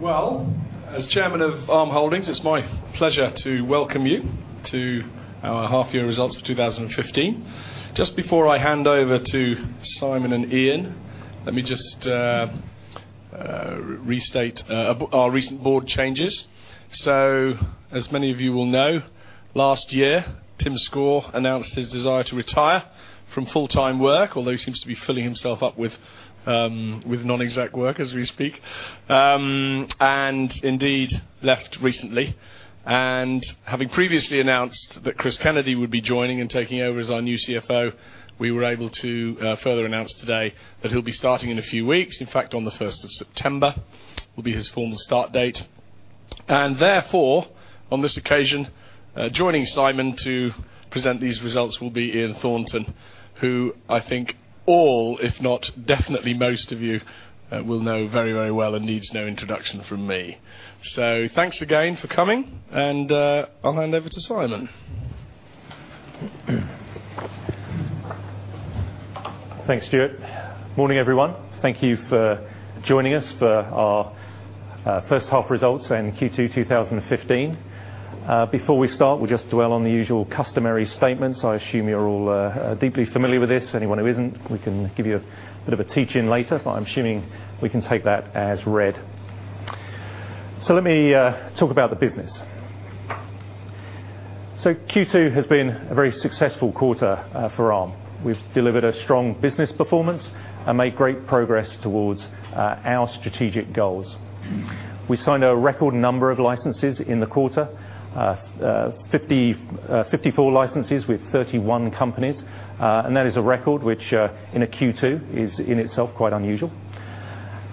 Well, as chairman of Arm Holdings, it's my pleasure to welcome you to our half year results for 2015. Just before I hand over to Simon and Ian, let me just restate our recent board changes. As many of you will know, last year, Tim Score announced his desire to retire from full-time work, although he seems to be filling himself up with non-exec work as we speak. Indeed, left recently. Having previously announced that Chris Kennedy would be joining and taking over as our new CFO, we were able to further announce today that he'll be starting in a few weeks. In fact, on the 1st of September will be his formal start date. Therefore, on this occasion, joining Simon to present these results will be Ian Thornton, who I think all, if not definitely most of you, will know very well and needs no introduction from me. Thanks again for coming, and I'll hand over to Simon. Thanks, Stuart. Morning, everyone. Thank you for joining us for our first half results in Q2 2015. Before we start, we just dwell on the usual customary statements. I assume you're all deeply familiar with this. Anyone who isn't, we can give you a bit of a teach-in later, but I'm assuming we can take that as read. Let me talk about the business. Q2 has been a very successful quarter for Arm. We've delivered a strong business performance and made great progress towards our strategic goals. We signed a record number of licenses in the quarter, 54 licenses with 31 companies. That is a record which, in a Q2, is in itself quite unusual.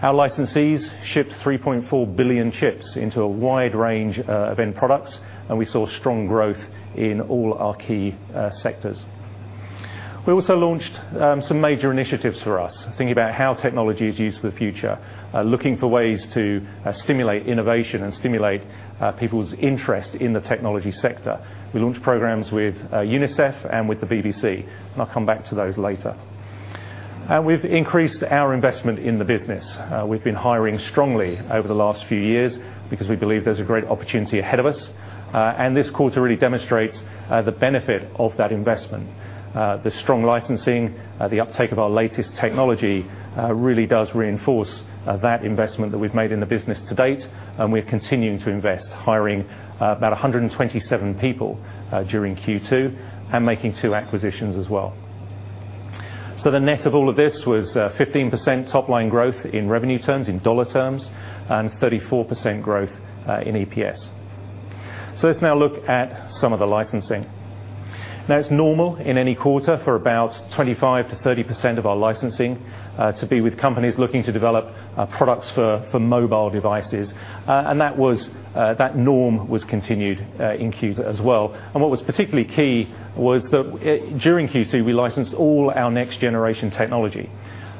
Our licensees shipped 3.4 billion chips into a wide range of end products, and we saw strong growth in all our key sectors. We also launched some major initiatives for us, thinking about how technology is used for the future, looking for ways to stimulate innovation and stimulate people's interest in the technology sector. We launched programs with UNICEF and with the BBC, and I'll come back to those later. We've increased our investment in the business. We've been hiring strongly over the last few years because we believe there's a great opportunity ahead of us. This quarter really demonstrates the benefit of that investment. The strong licensing, the uptake of our latest technology really does reinforce that investment that we've made in the business to date, and we're continuing to invest, hiring about 127 people during Q2 and making two acquisitions as well. The net of all of this was 15% top-line growth in revenue terms, in dollar terms, and 34% growth in EPS. Let's now look at some of the licensing. It's normal in any quarter for about 25%-30% of our licensing to be with companies looking to develop products for mobile devices. That norm was continued in Q2 as well. What was particularly key was that during Q2, we licensed all our next-generation technology.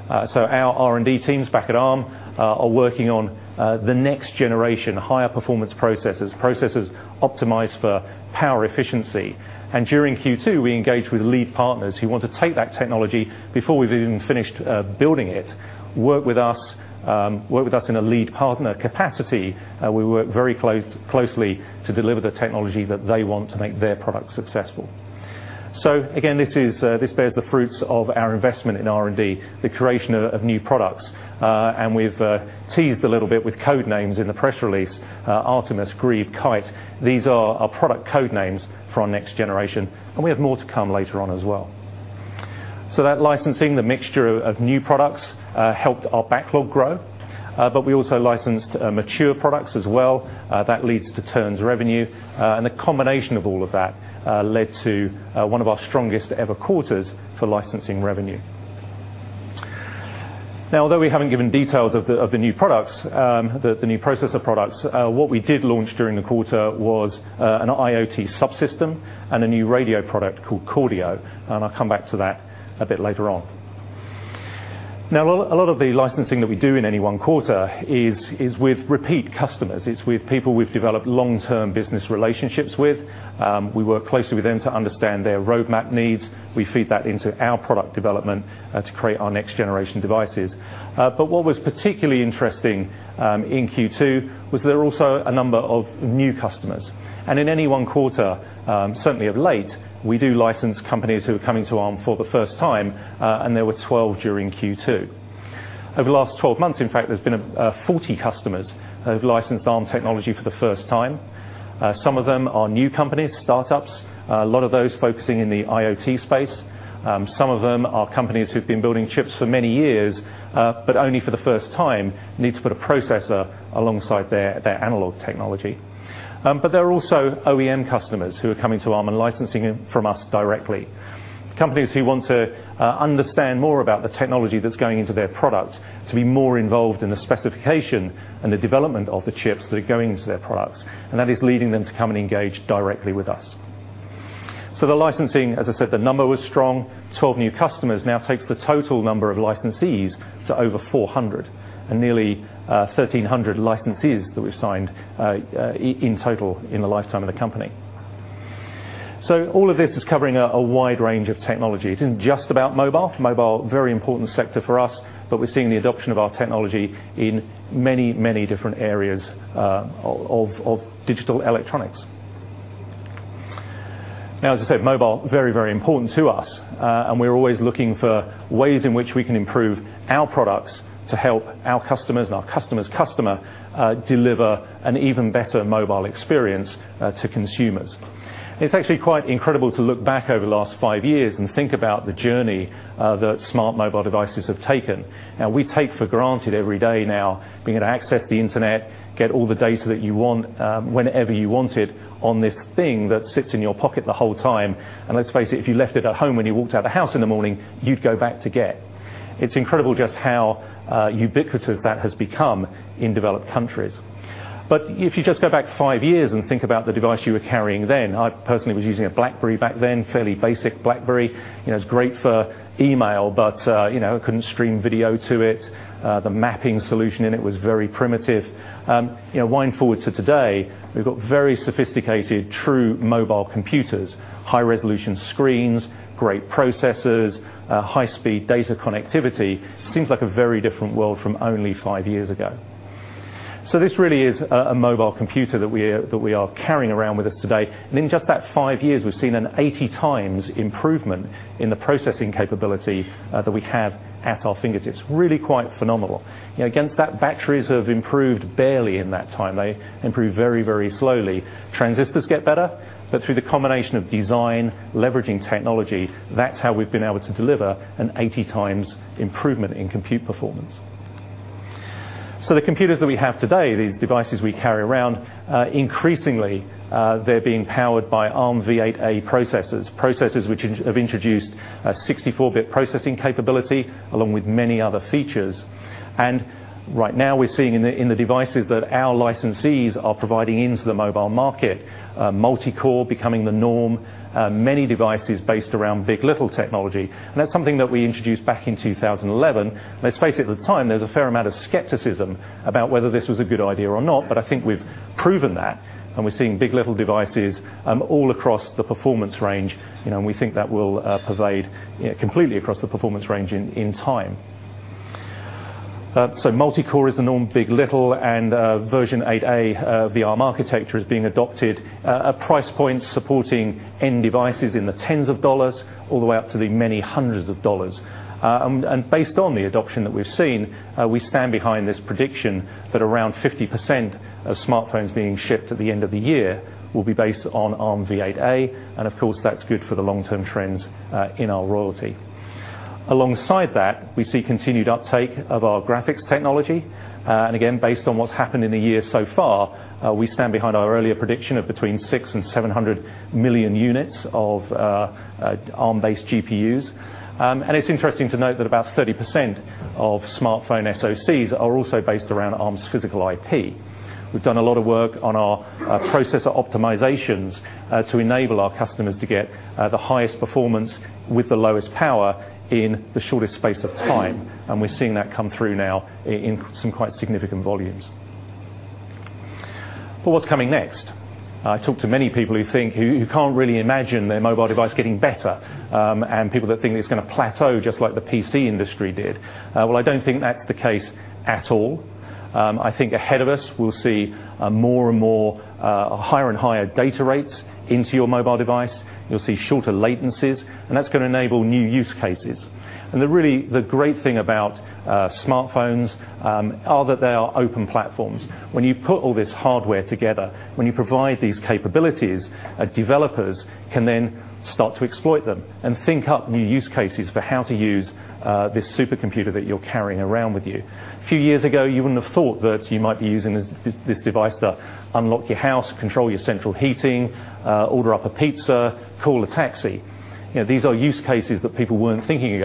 Our R&D teams back at Arm are working on the next generation, higher performance processors optimized for power efficiency. During Q2, we engaged with lead partners who want to take that technology before we've even finished building it, work with us in a lead partner capacity. We work very closely to deliver the technology that they want to make their product successful. Again, this bears the fruits of our investment in R&D, the creation of new products. We've teased a little bit with code names in the press release, Artemis, Greeve, Kite. These are our product code names for our next generation, and we have more to come later on as well. That licensing, the mixture of new products, helped our backlog grow. We also licensed mature products as well. That leads to turns revenue. The combination of all of that led to one of our strongest ever quarters for licensing revenue. Although we haven't given details of the new processor products, what we did launch during the quarter was an IoT subsystem and a new radio product called Cordio, and I'll come back to that a bit later on. A lot of the licensing that we do in any one quarter is with repeat customers. It's with people we've developed long-term business relationships with. We work closely with them to understand their roadmap needs. We feed that into our product development to create our next-generation devices. What was particularly interesting in Q2 was there are also a number of new customers. In any one quarter, certainly of late, we do license companies who are coming to Arm for the first time, and there were 12 during Q2. Over the last 12 months, in fact, there's been 40 customers who have licensed Arm technology for the first time. Some of them are new companies, startups, a lot of those focusing in the IoT space. Some of them are companies who've been building chips for many years, but only for the first time need to put a processor alongside their analog technology. There are also OEM customers who are coming to Arm and licensing it from us directly. Companies who want to understand more about the technology that's going into their product to be more involved in the specification and the development of the chips that are going into their products. That is leading them to come and engage directly with us. The licensing, as I said, the number was strong. 12 new customers now takes the total number of licensees to over 400 and nearly 1,300 licensees that we've signed in total in the lifetime of the company. All of this is covering a wide range of technology. It isn't just about mobile. Mobile, very important sector for us, but we're seeing the adoption of our technology in many different areas of digital electronics. As I said, mobile, very important to us. We're always looking for ways in which we can improve our products to help our customers and our customer's customer deliver an even better mobile experience to consumers. It's actually quite incredible to look back over the last five years and think about the journey that smart mobile devices have taken. Now we take for granted every day now being able to access the internet, get all the data that you want, whenever you want it, on this thing that sits in your pocket the whole time. Let's face it, if you left it at home when you walked out of the house in the morning, you'd go back to get it. It's incredible just how ubiquitous that has become in developed countries. If you just go back five years and think about the device you were carrying then, I personally was using a BlackBerry back then, fairly basic BlackBerry. It was great for email, but I couldn't stream video to it. The mapping solution in it was very primitive. Wind forward to today, we've got very sophisticated, true mobile computers, high-resolution screens, great processors, high-speed data connectivity. Seems like a very different world from only five years ago. This really is a mobile computer that we are carrying around with us today. In just that five years, we've seen an 80 times improvement in the processing capability that we have at our fingertips. Really quite phenomenal. Against that, batteries have improved barely in that time. They improve very slowly. Transistors get better, through the combination of design, leveraging technology, that's how we've been able to deliver an 80 times improvement in compute performance. The computers that we have today, these devices we carry around, increasingly, they're being powered by Arm v8-A processors. Processors which have introduced a 64-bit processing capability along with many other features. Right now, we're seeing in the devices that our licensees are providing into the mobile market, multi-core becoming the norm. Many devices based around big. LITTLE technology. That's something that we introduced back in 2011. Let's face it, at the time, there was a fair amount of skepticism about whether this was a good idea or not, but I think we've proven that, and we're seeing big. LITTLE devices all across the performance range. We think that will pervade completely across the performance range in time. Multi-core is the norm, big. LITTLE, and version 8-A of the Arm architecture is being adopted. A price point supporting end devices in the tens of dollars all the way up to the many hundreds of dollars. Based on the adoption that we've seen, we stand behind this prediction that around 50% of smartphones being shipped at the end of the year will be based on Arm v8-A. Of course, that's good for the long-term trends in our royalty. Alongside that, we see continued uptake of our graphics technology. Again, based on what's happened in the year so far, we stand behind our earlier prediction of between 600 million and 700 million units of Arm-based GPUs. It's interesting to note that about 30% of smartphone SoCs are also based around Arm's physical IP. We've done a lot of work on our processor optimizations to enable our customers to get the highest performance with the lowest power in the shortest space of time. We're seeing that come through now in some quite significant volumes. What's coming next? I talk to many people who can't really imagine their mobile device getting better. People that think it's going to plateau just like the PC industry did. Well, I don't think that's the case at all. I think ahead of us, we'll see more and more higher and higher data rates into your mobile device. You'll see shorter latencies, and that's going to enable new use cases. Really, the great thing about smartphones are that they are open platforms. When you put all this hardware together, when you provide these capabilities, developers can then start to exploit them and think up new use cases for how to use this supercomputer that you're carrying around with you. A few years ago, you wouldn't have thought that you might be using this device to unlock your house, control your central heating, order up a pizza, call a taxi. These are use cases that people weren't thinking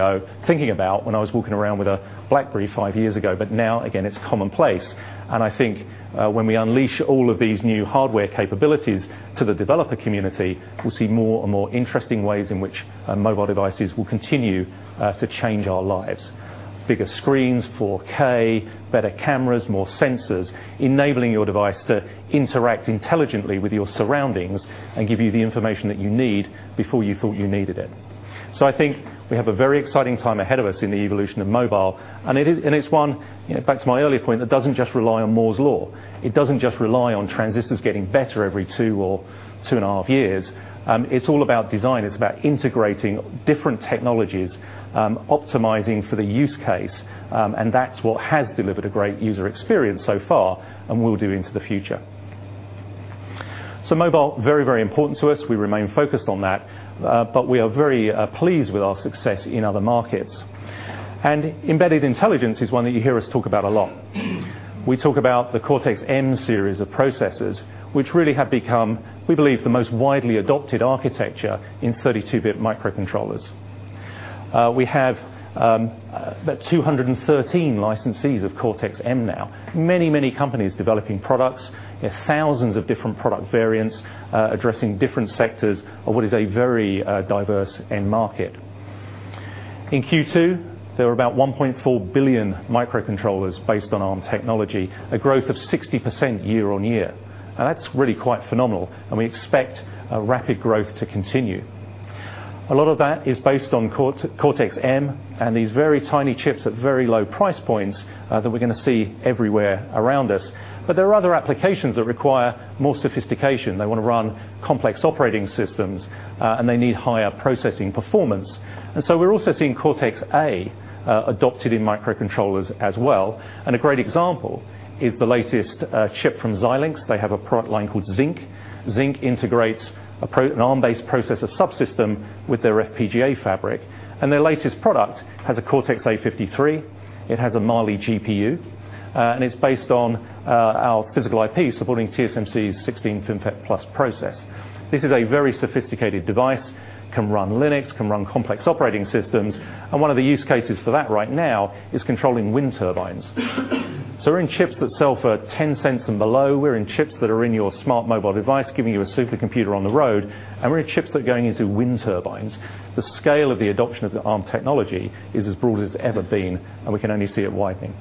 about when I was walking around with a BlackBerry five years ago. Now, again, it's commonplace. I think when we unleash all of these new hardware capabilities to the developer community, we'll see more and more interesting ways in which mobile devices will continue to change our lives. Bigger screens, 4K, better cameras, more sensors, enabling your device to interact intelligently with your surroundings and give you the information that you need before you thought you needed it. I think we have a very exciting time ahead of us in the evolution of mobile. It's one, back to my earlier point, that doesn't just rely on Moore's Law. It doesn't just rely on transistors getting better every two or two and a half years. It's all about design. It's about integrating different technologies, optimizing for the use case. That's what has delivered a great user experience so far and will do into the future. Mobile, very important to us. We remain focused on that. We are very pleased with our success in other markets. Embedded intelligence is one that you hear us talk about a lot. We talk about the Cortex-M series of processors, which really have become, we believe, the most widely adopted architecture in 32-bit microcontrollers. We have about 213 licensees of Cortex-M now. Many companies developing products. Thousands of different product variants addressing different sectors of what is a very diverse end market. In Q2, there were about 1.4 billion microcontrollers based on Arm technology, a growth of 60% year-on-year. That's really quite phenomenal, and we expect a rapid growth to continue. A lot of that is based on Cortex-M and these very tiny chips at very low price points that we're going to see everywhere around us. There are other applications that require more sophistication. They want to run complex operating systems, and they need higher processing performance. We're also seeing Cortex-A adopted in microcontrollers as well. A great example is the latest chip from Xilinx. They have a product line called Zynq. Zynq integrates an Arm-based processor subsystem with their FPGA fabric, and their latest product has a Cortex-A53. It has a Mali GPU. It is based on our physical IP supporting TSMC's 16FinFET+ process. This is a very sophisticated device. It can run Linux. It can run complex operating systems. One of the use cases for that right now is controlling wind turbines. We are in chips that sell for 0.10 and below. We are in chips that are in your smart mobile device, giving you a supercomputer on the road. We are in chips that are going into wind turbines. The scale of the adoption of the Arm technology is as broad as it has ever been, and we can only see it widening.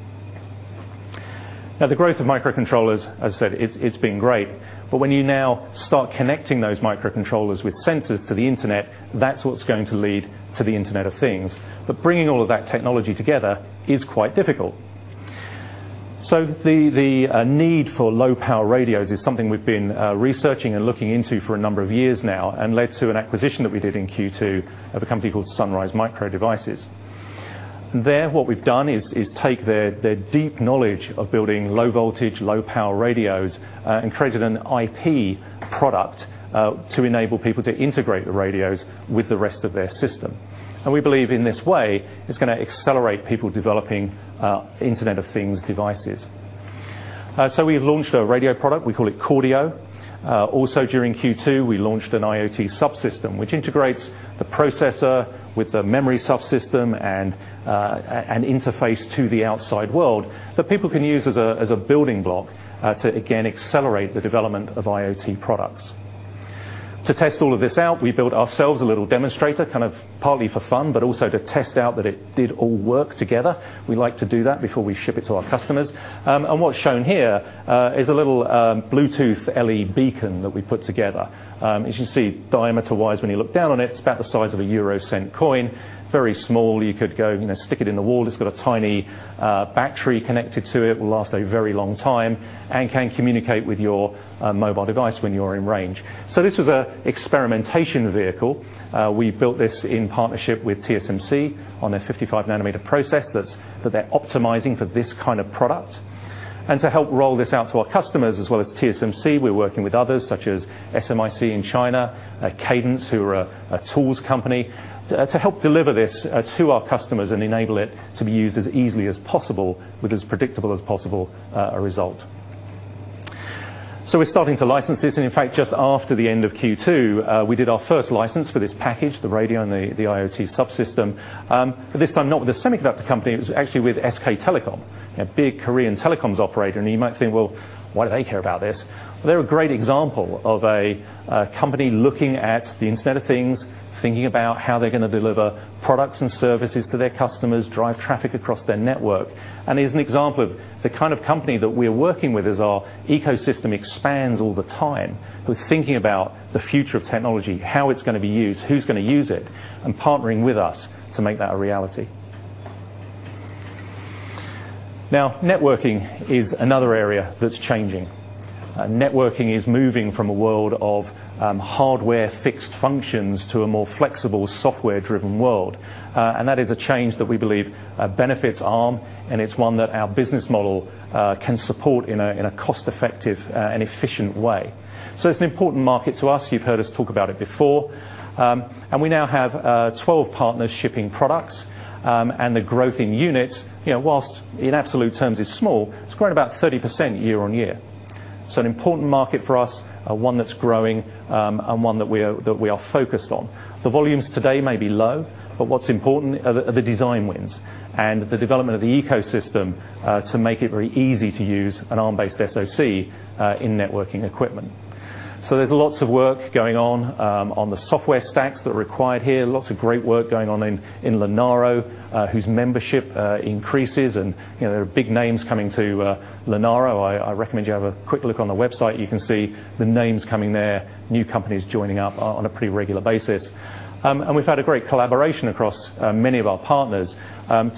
The growth of microcontrollers, as I said, it has been great. When you now start connecting those microcontrollers with sensors to the internet, that is what is going to lead to the Internet of Things. Bringing all of that technology together is quite difficult. The need for low-power radios is something we have been researching and looking into for a number of years now and led to an acquisition that we did in Q2 of a company called Sunrise Micro Devices. There, what we have done is take their deep knowledge of building low voltage, low power radios, and created an IP product to enable people to integrate the radios with the rest of their system. We believe in this way, it is going to accelerate people developing Internet of Things devices. We have launched a radio product. We call it Cordio. Also, during Q2, we launched an IoT subsystem which integrates the processor with the memory subsystem and an interface to the outside world that people can use as a building block to, again, accelerate the development of IoT products. To test all of this out, we built ourselves a little demonstrator, kind of partly for fun, but also to test out that it did all work together. We like to do that before we ship it to our customers. What is shown here is a little Bluetooth LED beacon that we put together. As you see, diameter wise, when you look down on it is about the size of a EUR 0.01 coin. Very small. You could go stick it in the wall. It has got a tiny battery connected to it. Will last a very long time and can communicate with your mobile device when you are in range. This was an experimentation vehicle. We built this in partnership with TSMC on their 55-nanometer process that they are optimizing for this kind of product. To help roll this out to our customers as well as TSMC, we are working with others such as SMIC in China, Cadence, who are a tools company, to help deliver this to our customers and enable it to be used as easily as possible with as predictable as possible a result. We are starting to license this. In fact, just after the end of Q2, we did our first license for this package, the radio and the IoT subsystem. This time, not with a semiconductor company. It was actually with SK Telecom, a big Korean telecoms operator. You might think, "Well, why do they care about this?" They're a great example of a company looking at the Internet of Things, thinking about how they're going to deliver products and services to their customers, drive traffic across their network. Is an example of the kind of company that we're working with as our ecosystem expands all the time. Who are thinking about the future of technology, how it's going to be used, who's going to use it, and partnering with us to make that a reality. Networking is another area that's changing. Networking is moving from a world of hardware fixed functions to a more flexible, software-driven world. That is a change that we believe benefits Arm, and it's one that our business model can support in a cost-effective and efficient way. It's an important market to us. You've heard us talk about it before. We now have 12 partners shipping products. The growth in units, whilst in absolute terms is small, it's grown about 30% year-over-year. An important market for us, one that's growing, and one that we are focused on. The volumes today may be low, but what's important are the design wins and the development of the ecosystem to make it very easy to use an Arm-based SoC in networking equipment. There's lots of work going on on the software stacks that are required here. Lots of great work going on in Linaro, whose membership increases, and there are big names coming to Linaro. I recommend you have a quick look on the website. You can see the names coming there, new companies joining up on a pretty regular basis. We've had a great collaboration across many of our partners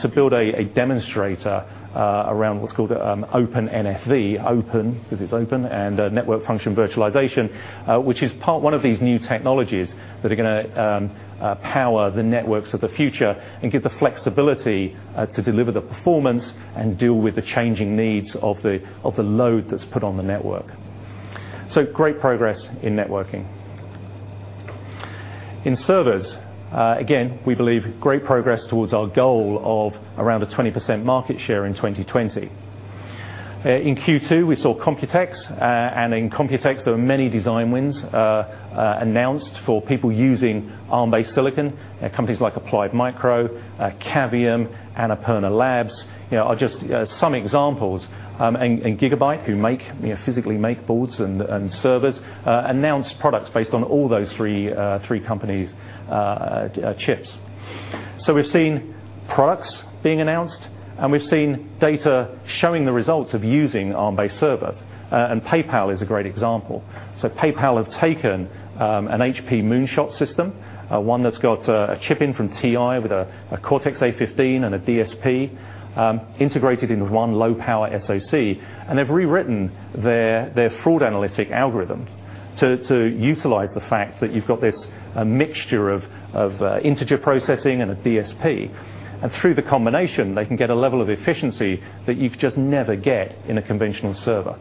to build a demonstrator around what's called Open NFV. Open because it's open, and Network Function Virtualization, which is one of these new technologies that are going to power the networks of the future and give the flexibility to deliver the performance and deal with the changing needs of the load that's put on the network. Great progress in networking. In servers, again, we believe great progress towards our goal of around a 20% market share in 2020. In Q2, we saw Computex. In Computex, there were many design wins announced for people using Arm-based silicon. Companies like Applied Micro, Cavium, Annapurna Labs are just some examples. Gigabyte, who physically make boards and servers, announced products based on all those three companies' chips. We've seen products being announced, and we've seen data showing the results of using Arm-based servers. PayPal is a great example. PayPal have taken an HP Moonshot system, one that's got a chip in from TI with a Cortex-A15 and a DSP integrated into one low-power SoC. They've rewritten their fraud analytic algorithms to utilize the fact that you've got this mixture of integer processing and a DSP. Through the combination, they can get a level of efficiency that you just never get in a conventional server.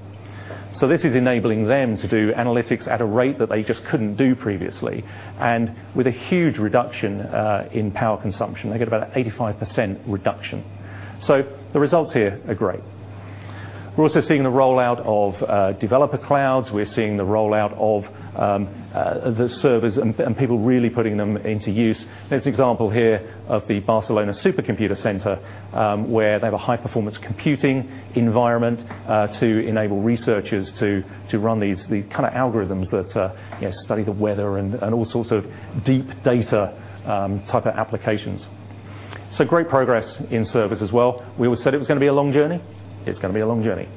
This is enabling them to do analytics at a rate that they just couldn't do previously and with a huge reduction in power consumption. They get about an 85% reduction. The results here are great. We're also seeing the rollout of developer clouds. We're seeing the rollout of the servers and people really putting them into use. There's an example here of the Barcelona Supercomputing Center, where they have a high-performance computing environment to enable researchers to run these kind of algorithms that study the weather and all sorts of deep data type of applications. Great progress in servers as well. We always said it was going to be a long journey. It's going to be a long journey.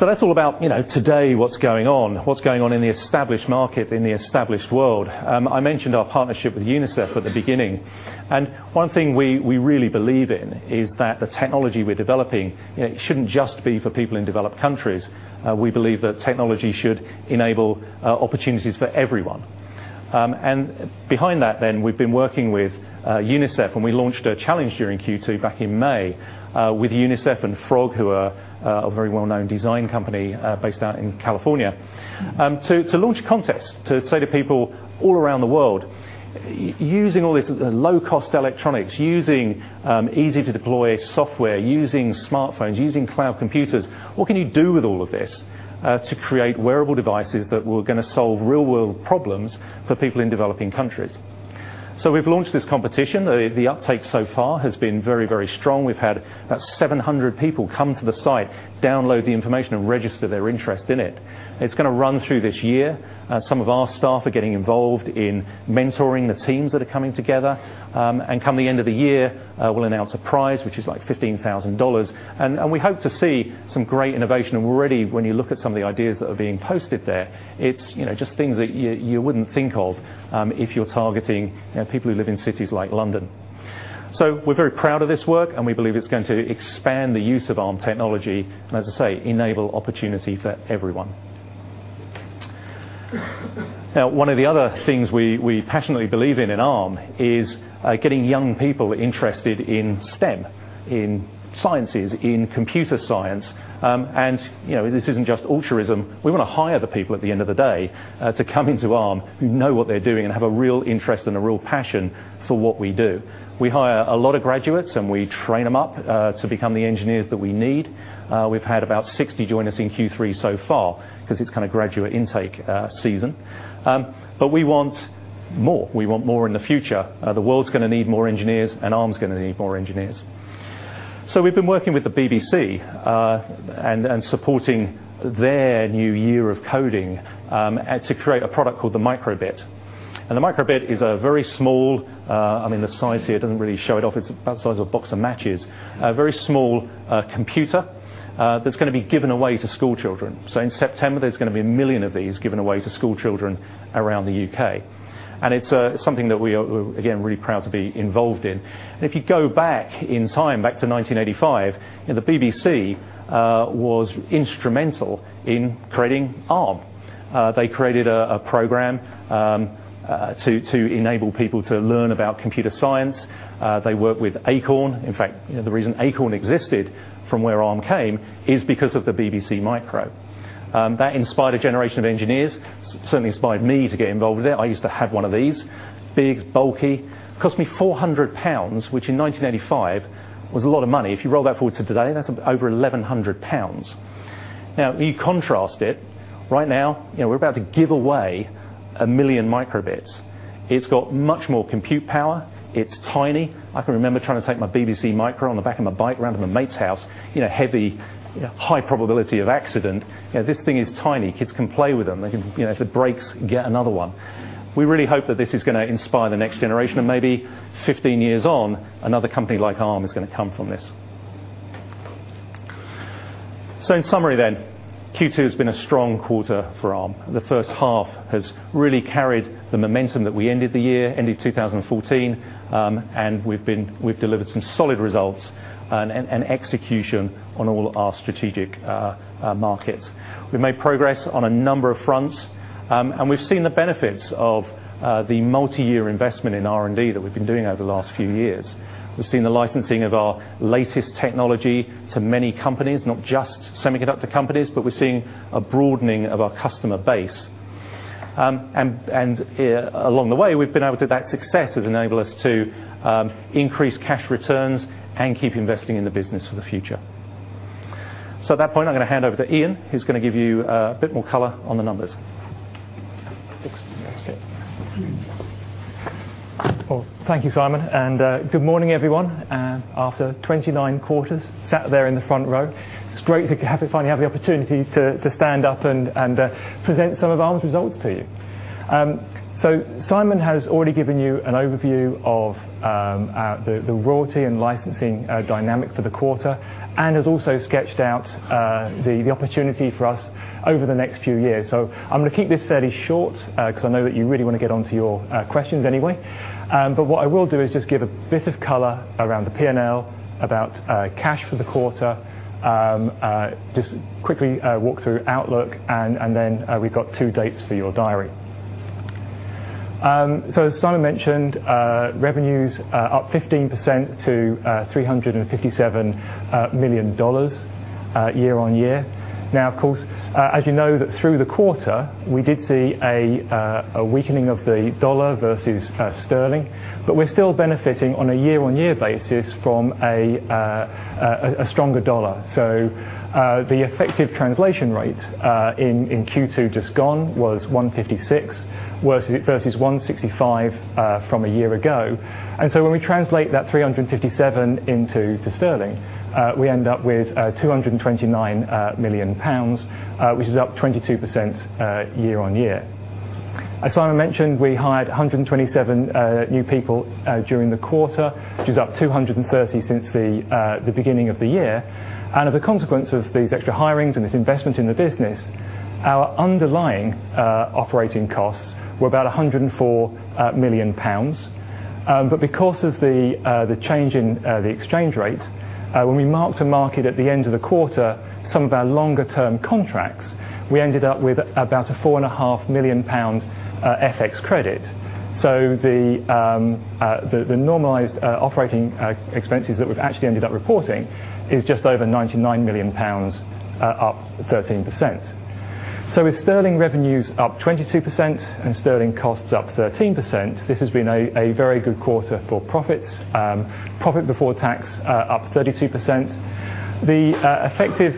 That's all about today, what's going on, what's going on in the established market, in the established world. I mentioned our partnership with UNICEF at the beginning, one thing we really believe in is that the technology we're developing shouldn't just be for people in developed countries. We believe that technology should enable opportunities for everyone. Behind that, we've been working with UNICEF, and we launched a challenge during Q2 back in May with UNICEF and frog, who are a very well-known design company based out in California, to launch a contest to say to people all around the world, using all this low-cost electronics, using easy-to-deploy software, using smartphones, using cloud computers, what can you do with all of this to create wearable devices that were going to solve real-world problems for people in developing countries? We've launched this competition. The uptake so far has been very strong. We've had about 700 people come to the site, download the information, and register their interest in it. It's going to run through this year. Some of our staff are getting involved in mentoring the teams that are coming together. Come the end of the year, we'll announce a prize, which is like $15,000. We hope to see some great innovation. Already, when you look at some of the ideas that are being posted there, it's just things that you wouldn't think of if you're targeting people who live in cities like London. We're very proud of this work, and we believe it's going to expand the use of Arm technology and, as I say, enable opportunity for everyone. Now, one of the other things we passionately believe in at Arm is getting young people interested in STEM, in sciences, in computer science. This isn't just altruism. We want to hire the people at the end of the day to come into Arm who know what they're doing and have a real interest and a real passion for what we do. We hire a lot of graduates, and we train them up to become the engineers that we need. We've had about 60 join us in Q3 so far because it's kind of graduate intake season. We want more. We want more in the future. The world's going to need more engineers, and Arm's going to need more engineers. We've been working with the BBC and supporting their new Year of Coding to create a product called the micro:bit. The micro:bit is a very small, I mean, the size here doesn't really show it off. It's about the size of a box of matches. A very small computer that's going to be given away to schoolchildren. In September, there's going to be a million of these given away to schoolchildren around the U.K. It's something that we are, again, really proud to be involved in. If you go back in time, back to 1985, the BBC was instrumental in creating Arm. They created a program to enable people to learn about computer science. They worked with Acorn. In fact, the reason Acorn existed from where Arm came is because of the BBC Micro. That inspired a generation of engineers. Certainly inspired me to get involved with it. I used to have one of these. Big, bulky, cost me 400 pounds, which in 1985 was a lot of money. If you roll that forward to today, that's over 1,100 pounds. You contrast it. Right now, we're about to give away 1 million micro:bits. It's got much more compute power. It's tiny. I can remember trying to take my BBC Micro on the back of my bike around to my mate's house, heavy, high probability of accident. This thing is tiny. Kids can play with them. If it breaks, get another one. We really hope that this is going to inspire the next generation, and maybe 15 years on, another company like Arm is going to come from this. In summary then, Q2 has been a strong quarter for Arm. The first half has really carried the momentum that we ended the year, ended 2014, and we've delivered some solid results and execution on all our strategic markets. We've made progress on a number of fronts, and we've seen the benefits of the multi-year investment in R&D that we've been doing over the last few years. We've seen the licensing of our latest technology to many companies, not just semiconductor companies, but we're seeing a broadening of our customer base. Along the way, that success has enabled us to increase cash returns and keep investing in the business for the future. At that point, I'm going to hand over to Ian, who's going to give you a bit more color on the numbers. Thanks. Yeah. Thank you, Simon, and good morning, everyone. After 29 quarters sat there in the front row, it's great to finally have the opportunity to stand up and present some of Arm's results to you. Simon has already given you an overview of the royalty and licensing dynamic for the quarter and has also sketched out the opportunity for us over the next few years. I'm going to keep this fairly short because I know that you really want to get onto your questions anyway. What I will do is just give a bit of color around the P&L, about cash for the quarter. Just quickly walk through outlook, and then we've got two dates for your diary. As Simon mentioned, revenues are up 15% to $357 million year on year. Of course, as you know, through the quarter we did see a weakening of the dollar versus sterling, but we're still benefiting on a year-on-year basis from a stronger dollar. The effective translation rate in Q2 just gone was 156 versus 165 from a year ago. When we translate that $357 million into sterling, we end up with 229 million pounds, which is up 22% year-on-year. As Simon mentioned, we hired 127 new people during the quarter, which is up 230 since the beginning of the year. As a consequence of these extra hirings and this investment in the business, our underlying operating costs were about 104 million pounds. Because of the change in the exchange rate, when we marked to market at the end of the quarter, some of our longer-term contracts, we ended up with about a four and a half million GBP FX credit. The normalized operating expenses that we've actually ended up reporting is just over 99 million pounds, up 13%. With sterling revenues up 22% and sterling costs up 13%, this has been a very good quarter for profits. Profit before tax up 32%. The effective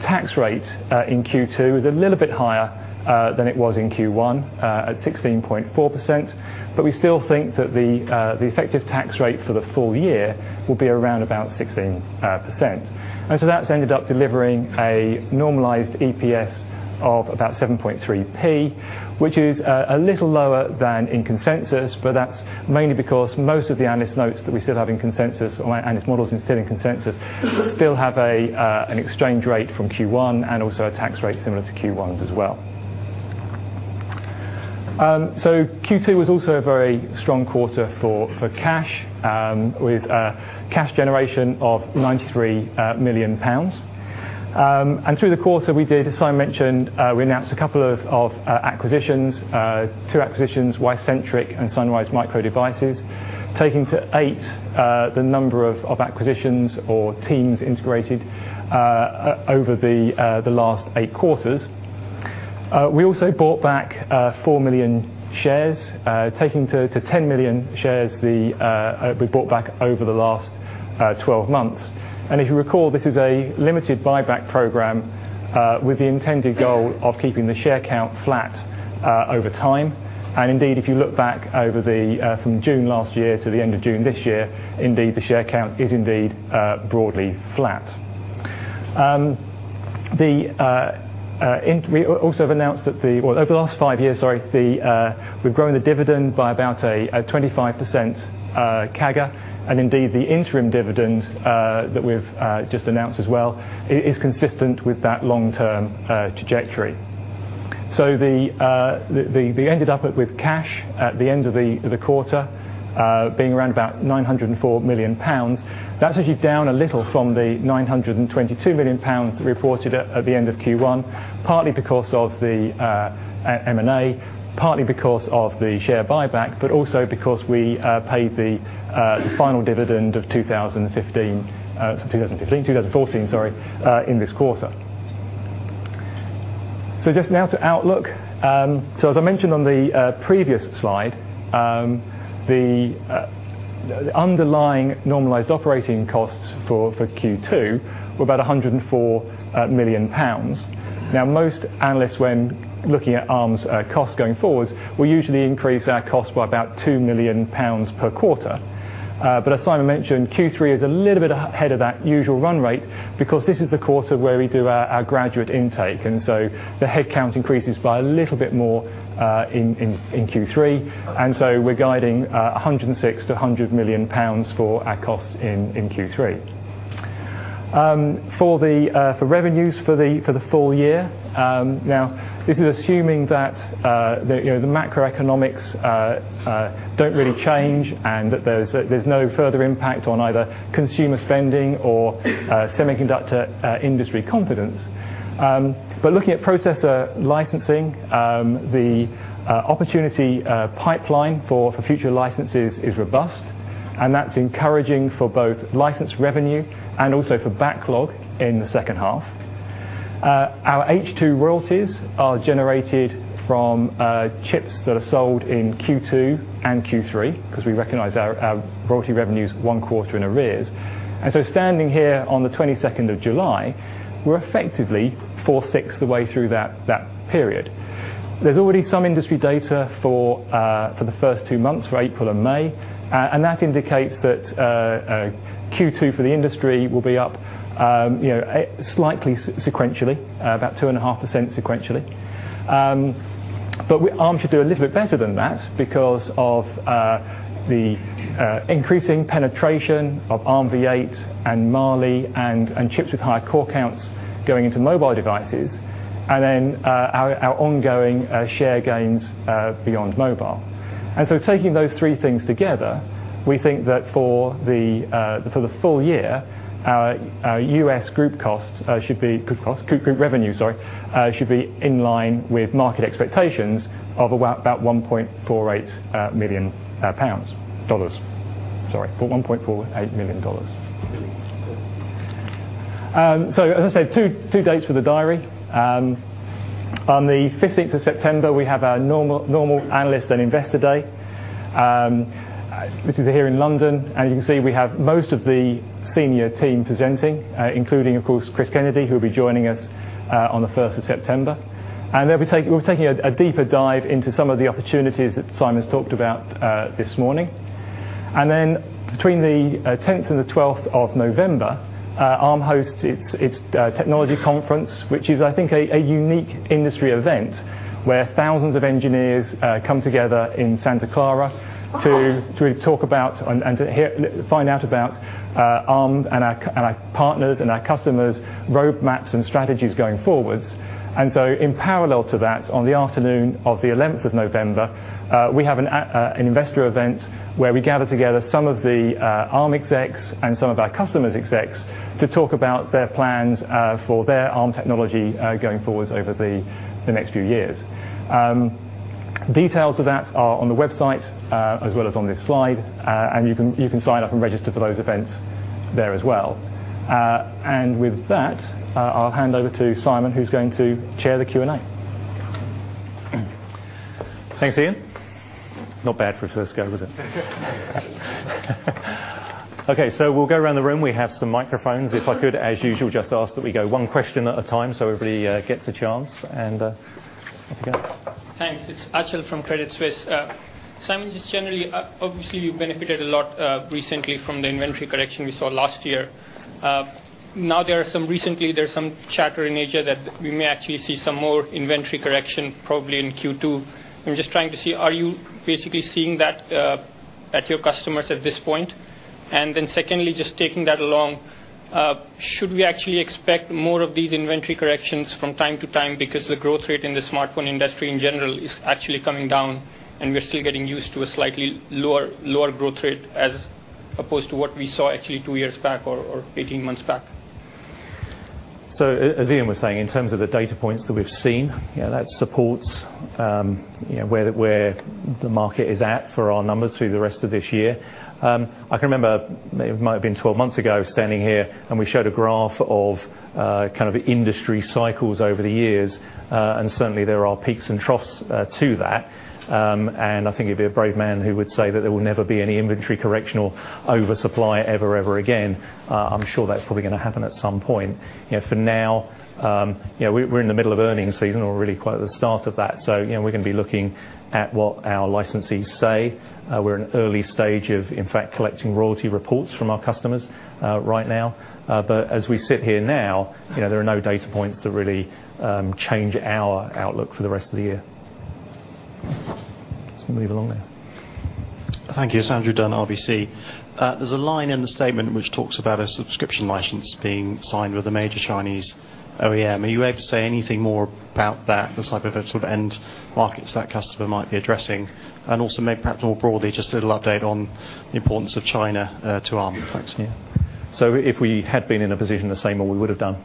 tax rate in Q2 is a little bit higher than it was in Q1 at 16.4%, but we still think that the effective tax rate for the full year will be around about 16%. That's ended up delivering a normalized EPS of about 0.073, which is a little lower than in consensus, but that's mainly because most of the analyst notes that we still have in consensus, or analyst models instead of consensus, still have an exchange rate from Q1 and also a tax rate similar to Q1's as well. Q2 was also a very strong quarter for cash, with cash generation of 93 million pounds. Through the quarter, we did, as Simon mentioned, we announced a couple of acquisitions. Two acquisitions, Wicentric and Sunrise Micro Devices, taking to eight the number of acquisitions or teams integrated over the last eight quarters. We also bought back four million shares, taking to 10 million shares we bought back over the last 12 months. If you recall, this is a limited buyback program with the intended goal of keeping the share count flat over time. Indeed, if you look back from June last year to the end of June this year, indeed the share count is broadly flat. We also have announced that, over the last five years, sorry, we've grown the dividend by about a 25% CAGR. Indeed, the interim dividend that we've just announced as well is consistent with that long-term trajectory. We ended up with cash at the end of the quarter being around about 904 million pounds. That's actually down a little from the 922 million pounds reported at the end of Q1, partly because of the M&A, partly because of the share buyback, but also because we paid the final dividend of 2014, sorry, in this quarter. Just now to outlook. As I mentioned on the previous slide, the underlying normalized operating costs for Q2 were about 104 million pounds. Most analysts when looking at Arm's costs going forward will usually increase our cost by about 2 million pounds per quarter. As Simon mentioned, Q3 is a little bit ahead of that usual run rate because this is the quarter where we do our graduate intake, and so the head count increases by a little bit more in Q3. We're guiding 106 million-100 million pounds for our costs in Q3. For revenues for the full year. This is assuming that the macroeconomics don't really change and that there's no further impact on either consumer spending or semiconductor industry confidence. Looking at processor licensing, the opportunity pipeline for future licenses is robust, and that's encouraging for both license revenue and also for backlog in the second half. Our H2 royalties are generated from chips that are sold in Q2 and Q3 because we recognize our royalty revenue's one quarter in arrears. Standing here on the 22nd of July, we're effectively four sixths the way through that period. There's already some industry data for the first two months, for April and May, and that indicates that Q2 for the industry will be up slightly sequentially, about two and a half % sequentially. Arm should do a little bit better than that because of the increasing penetration of Arm v8 and Mali and chips with higher core counts going into mobile devices, and then our ongoing share gains beyond mobile. Taking those three things together, we think that for the full year, our U.S. group revenue should be in line with market expectations of about $1.48 million. As I said, two dates for the diary. On the 15th of September, we have our normal analyst and investor day. This is here in London, and as you can see, we have most of the senior team presenting, including, of course, Chris Kennedy, who will be joining us on the 1st of September. We're taking a deeper dive into some of the opportunities that Simon's talked about this morning. Between the 10th and the 12th of November, Arm hosts its technology conference, which is I think, a unique industry event where thousands of engineers come together in Santa Clara to talk about and to find out about Arm and our partners and our customers' roadmaps and strategies going forwards. In parallel to that, on the afternoon of the 11th of November, we have an investor event where we gather together some of the Arm execs and some of our customers' execs to talk about their plans for their Arm technology going forwards over the next few years. Details of that are on the website as well as on this slide, and you can sign up and register for those events there as well. With that, I'll hand over to Simon, who's going to chair the Q&A. Thanks, Ian. Not bad for a first go, was it? Okay, we'll go around the room. We have some microphones. If I could, as usual, just ask that we go one question at a time so everybody gets a chance. Off you go. Thanks. It's Achal from Credit Suisse. Simon, just generally, obviously you benefited a lot recently from the inventory correction we saw last year. Recently, there's some chatter in Asia that we may actually see some more inventory correction, probably in Q2. I'm just trying to see, are you basically seeing that at your customers at this point? Secondly, just taking that along, should we actually expect more of these inventory corrections from time to time because the growth rate in the smartphone industry in general is actually coming down, and we're still getting used to a slightly lower growth rate as opposed to what we saw actually two years back, or 18 months back? As Ian was saying, in terms of the data points that we've seen, that supports where the market is at for our numbers through the rest of this year. I can remember, it might have been 12 months ago, standing here, and we showed a graph of the industry cycles over the years. Certainly, there are peaks and troughs to that. I think it'd be a brave man who would say that there will never be any inventory correction or oversupply ever again. I'm sure that's probably going to happen at some point. For now, we're in the middle of earnings season, or really quite at the start of that. We're going to be looking at what our licensees say. We're in an early stage of, in fact, collecting royalty reports from our customers right now. As we sit here now, there are no data points to really change our outlook for the rest of the year. Just going to move along now. Thank you. It's Andrew Dunn, RBC. There's a line in the statement which talks about a subscription license being signed with a major Chinese OEM. Are you able to say anything more about that, the type of end markets that customer might be addressing? Maybe perhaps more broadly, just a little update on the importance of China to Arm. Thanks, Ian. If we had been in a position to say more, we would have done.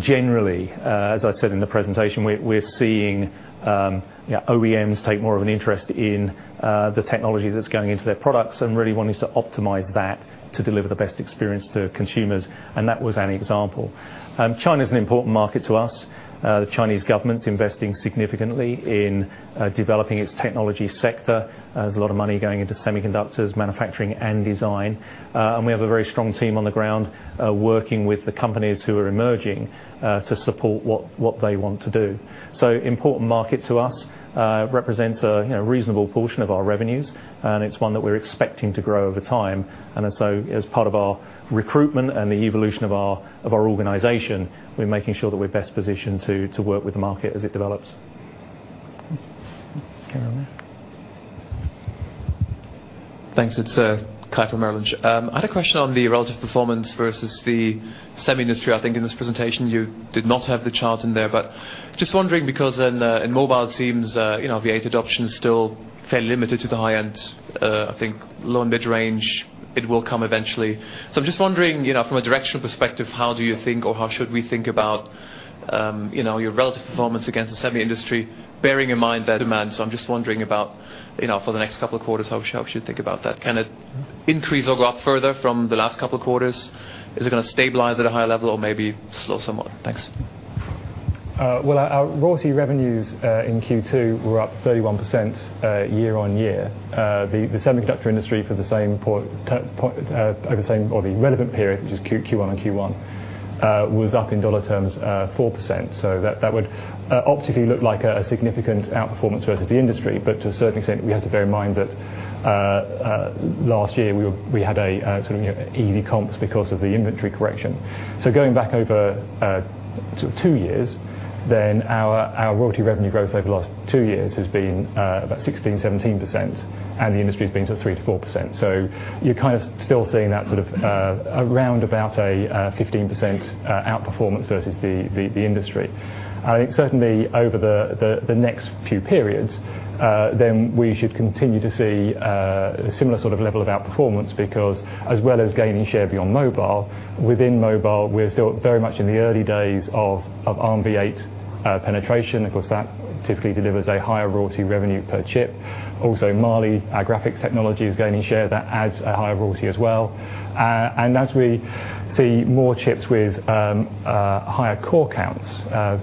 Generally, as I said in the presentation, we're seeing OEMs take more of an interest in the technology that's going into their products and really wanting to optimize that to deliver the best experience to consumers. That was an example. China's an important market to us. The Chinese government's investing significantly in developing its technology sector. There's a lot of money going into semiconductors, manufacturing, and design. We have a very strong team on the ground working with the companies who are emerging to support what they want to do. It's an important market to us. It represents a reasonable portion of our revenues, and it's one that we're expecting to grow over time. As part of our recruitment and the evolution of our organization, we're making sure that we're best positioned to work with the market as it develops. Carry on there. Thanks. It's Kai from Merrill Lynch. I had a question on the relative performance versus the semi industry. I think in this presentation, you did not have the chart in there. Just wondering because in mobile, it seems v8 adoption is still fairly limited to the high end. I think low and mid-range, it will come eventually. I'm just wondering, from a directional perspective, how do you think or how should we think about your relative performance against the semi industry, bearing in mind their demand? I'm just wondering about for the next couple of quarters, how we should think about that. Can it increase or go up further from the last couple of quarters? Is it going to stabilize at a higher level or maybe slow somewhat? Thanks. Well, our royalty revenues in Q2 were up 31% year-on-year. The semiconductor industry over the relevant period, which is Q1 on Q1. Was up in dollar terms 4%. That would optically look like a significant outperformance versus the industry. To a certain extent, we have to bear in mind that last year we had easy comps because of the inventory correction. Going back over two years, our royalty revenue growth over the last two years has been about 16%-17%, and the industry's been sort of 3%-4%. You're still seeing that sort of around about a 15% outperformance versus the industry. I think certainly over the next few periods, we should continue to see a similar sort of level of outperformance because as well as gaining share beyond mobile, within mobile, we're still very much in the early days of Arm v8 penetration. Of course, that typically delivers a higher royalty revenue per chip. Also Mali, our graphics technology, is gaining share that adds a higher royalty as well. As we see more chips with higher core counts,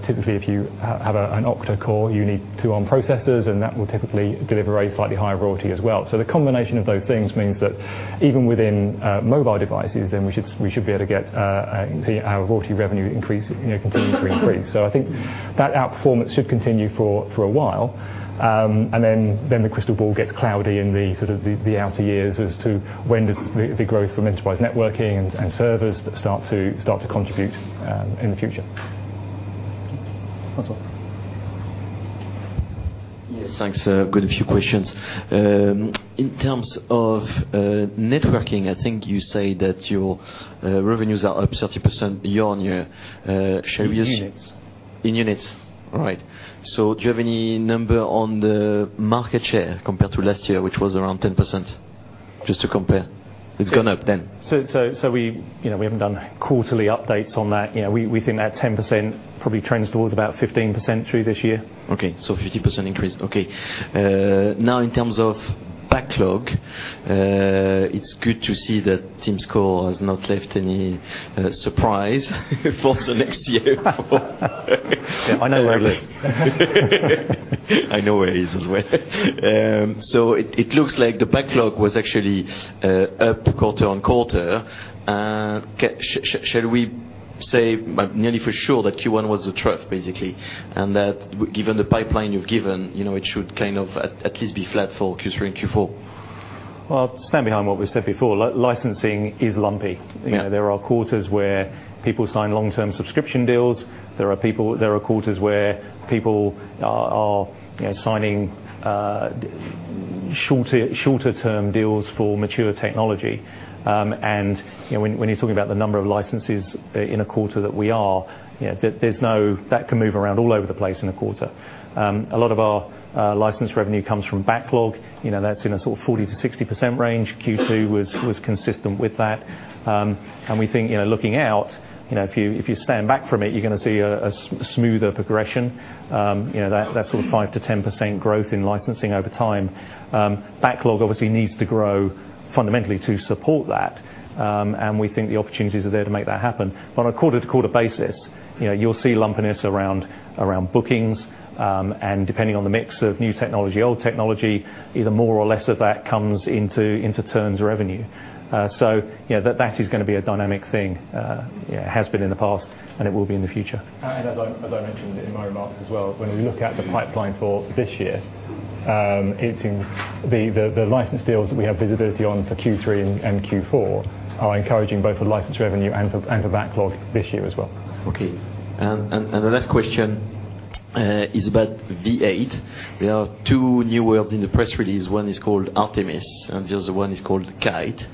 typically if you have an octa-core, you need two Arm processors, and that will typically deliver a slightly higher royalty as well. The combination of those things means that even within mobile devices, we should be able to get our royalty revenue continue to increase. I think that outperformance should continue for a while. The crystal ball gets cloudy in the outer years as to when does the growth from enterprise networking and servers that start to contribute in the future. François. Yes, thanks. I've got a few questions. In terms of networking, I think you say that your revenues are up 30% year-on-year. In units. In units. Right. Do you have any number on the market share compared to last year, which was around 10%, just to compare? It's gone up then. We haven't done quarterly updates on that. We think that 10% probably trends towards about 15% through this year. Okay, 15% increase. Okay. In terms of backlog, it's good to see that Tim Score has not left any surprise for the next year. I know where he lives. I know where he is as well. It looks like the backlog was actually up quarter-on-quarter. Shall we say nearly for sure that Q1 was a trough, basically, and that given the pipeline you've given, it should kind of at least be flat for Q3 and Q4? Well, I stand behind what we said before. Licensing is lumpy. Yeah. There are quarters where people sign long-term subscription deals. There are quarters where people are signing shorter term deals for mature technology. When you're talking about the number of licenses in a quarter that we are, that can move around all over the place in a quarter. A lot of our license revenue comes from backlog. That's in a sort of 40%-60% range. Q2 was consistent with that. We think, looking out, if you stand back from it, you're going to see a smoother progression. That sort of 5%-10% growth in licensing over time. Backlog obviously needs to grow fundamentally to support that. We think the opportunities are there to make that happen. On a quarter-to-quarter basis, you'll see lumpiness around bookings, and depending on the mix of new technology, old technology, either more or less of that comes into turns revenue. That is going to be a dynamic thing. It has been in the past, and it will be in the future. As I mentioned in my remarks as well, when we look at the pipeline for this year, the license deals we have visibility on for Q3 and Q4 are encouraging both for license revenue and for backlog this year as well. Okay. The last question is about v8. There are two new words in the press release. One is called Artemis, and the other one is called Kite.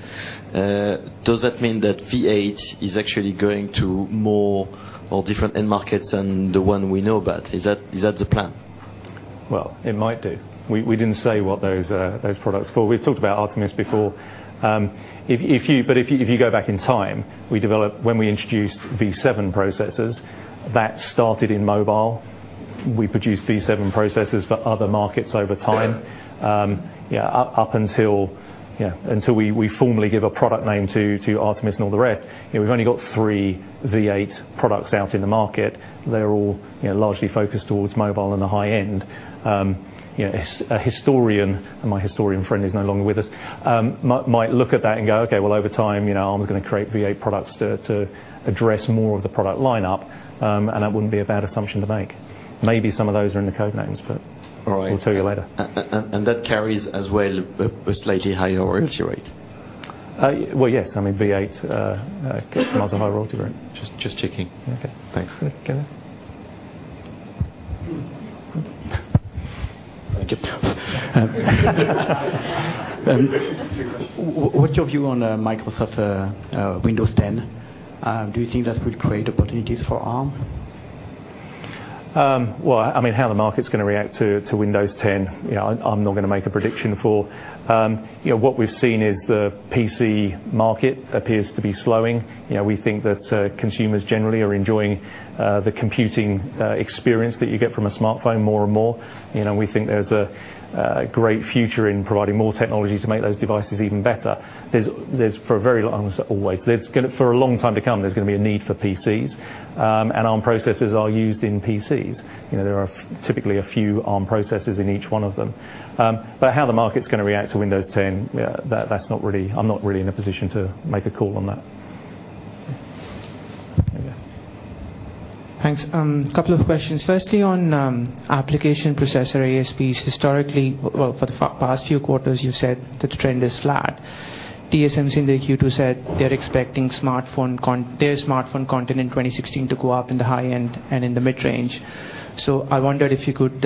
Does that mean that v8 is actually going to more or different end markets than the one we know about? Is that the plan? Well, it might do. We didn't say what those products were. We've talked about Artemis before. If you go back in time, when we introduced v7 processors, that started in mobile. We produced v7 processors for other markets over time. Up until we formally give a product name to Artemis and all the rest, we've only got three v8 products out in the market. They're all largely focused towards mobile and the high end. A historian, my historian friend is no longer with us, might look at that and go, "Okay, well, over time Arm's going to create v8 products to address more of the product lineup," and that wouldn't be a bad assumption to make. Maybe some of those are in the code names. All right We'll tell you later. That carries as well a slightly higher royalty rate? Well, yes. v8 commands a higher royalty rate. Just checking. Okay. Thanks. Okay. What's your view on Microsoft Windows 10? Do you think that will create opportunities for Arm? How the market's going to react to Windows 10, I'm not going to make a prediction for. What we've seen is the PC market appears to be slowing. We think that consumers generally are enjoying the computing experience that you get from a smartphone more and more. We think there's a great future in providing more technology to make those devices even better. I won't say always. For a long time to come, there's going to be a need for PCs. Arm processors are used in PCs. There are typically a few Arm processors in each one of them. How the market's going to react to Windows 10, I'm not really in a position to make a call on that. Thanks. Couple of questions. Firstly, on application processor ASPs. Historically, well, for the past few quarters, you've said that the trend is flat. TSMC in the Q2 said they're expecting their smartphone content in 2016 to go up in the high-end and in the mid-range. I wondered if you could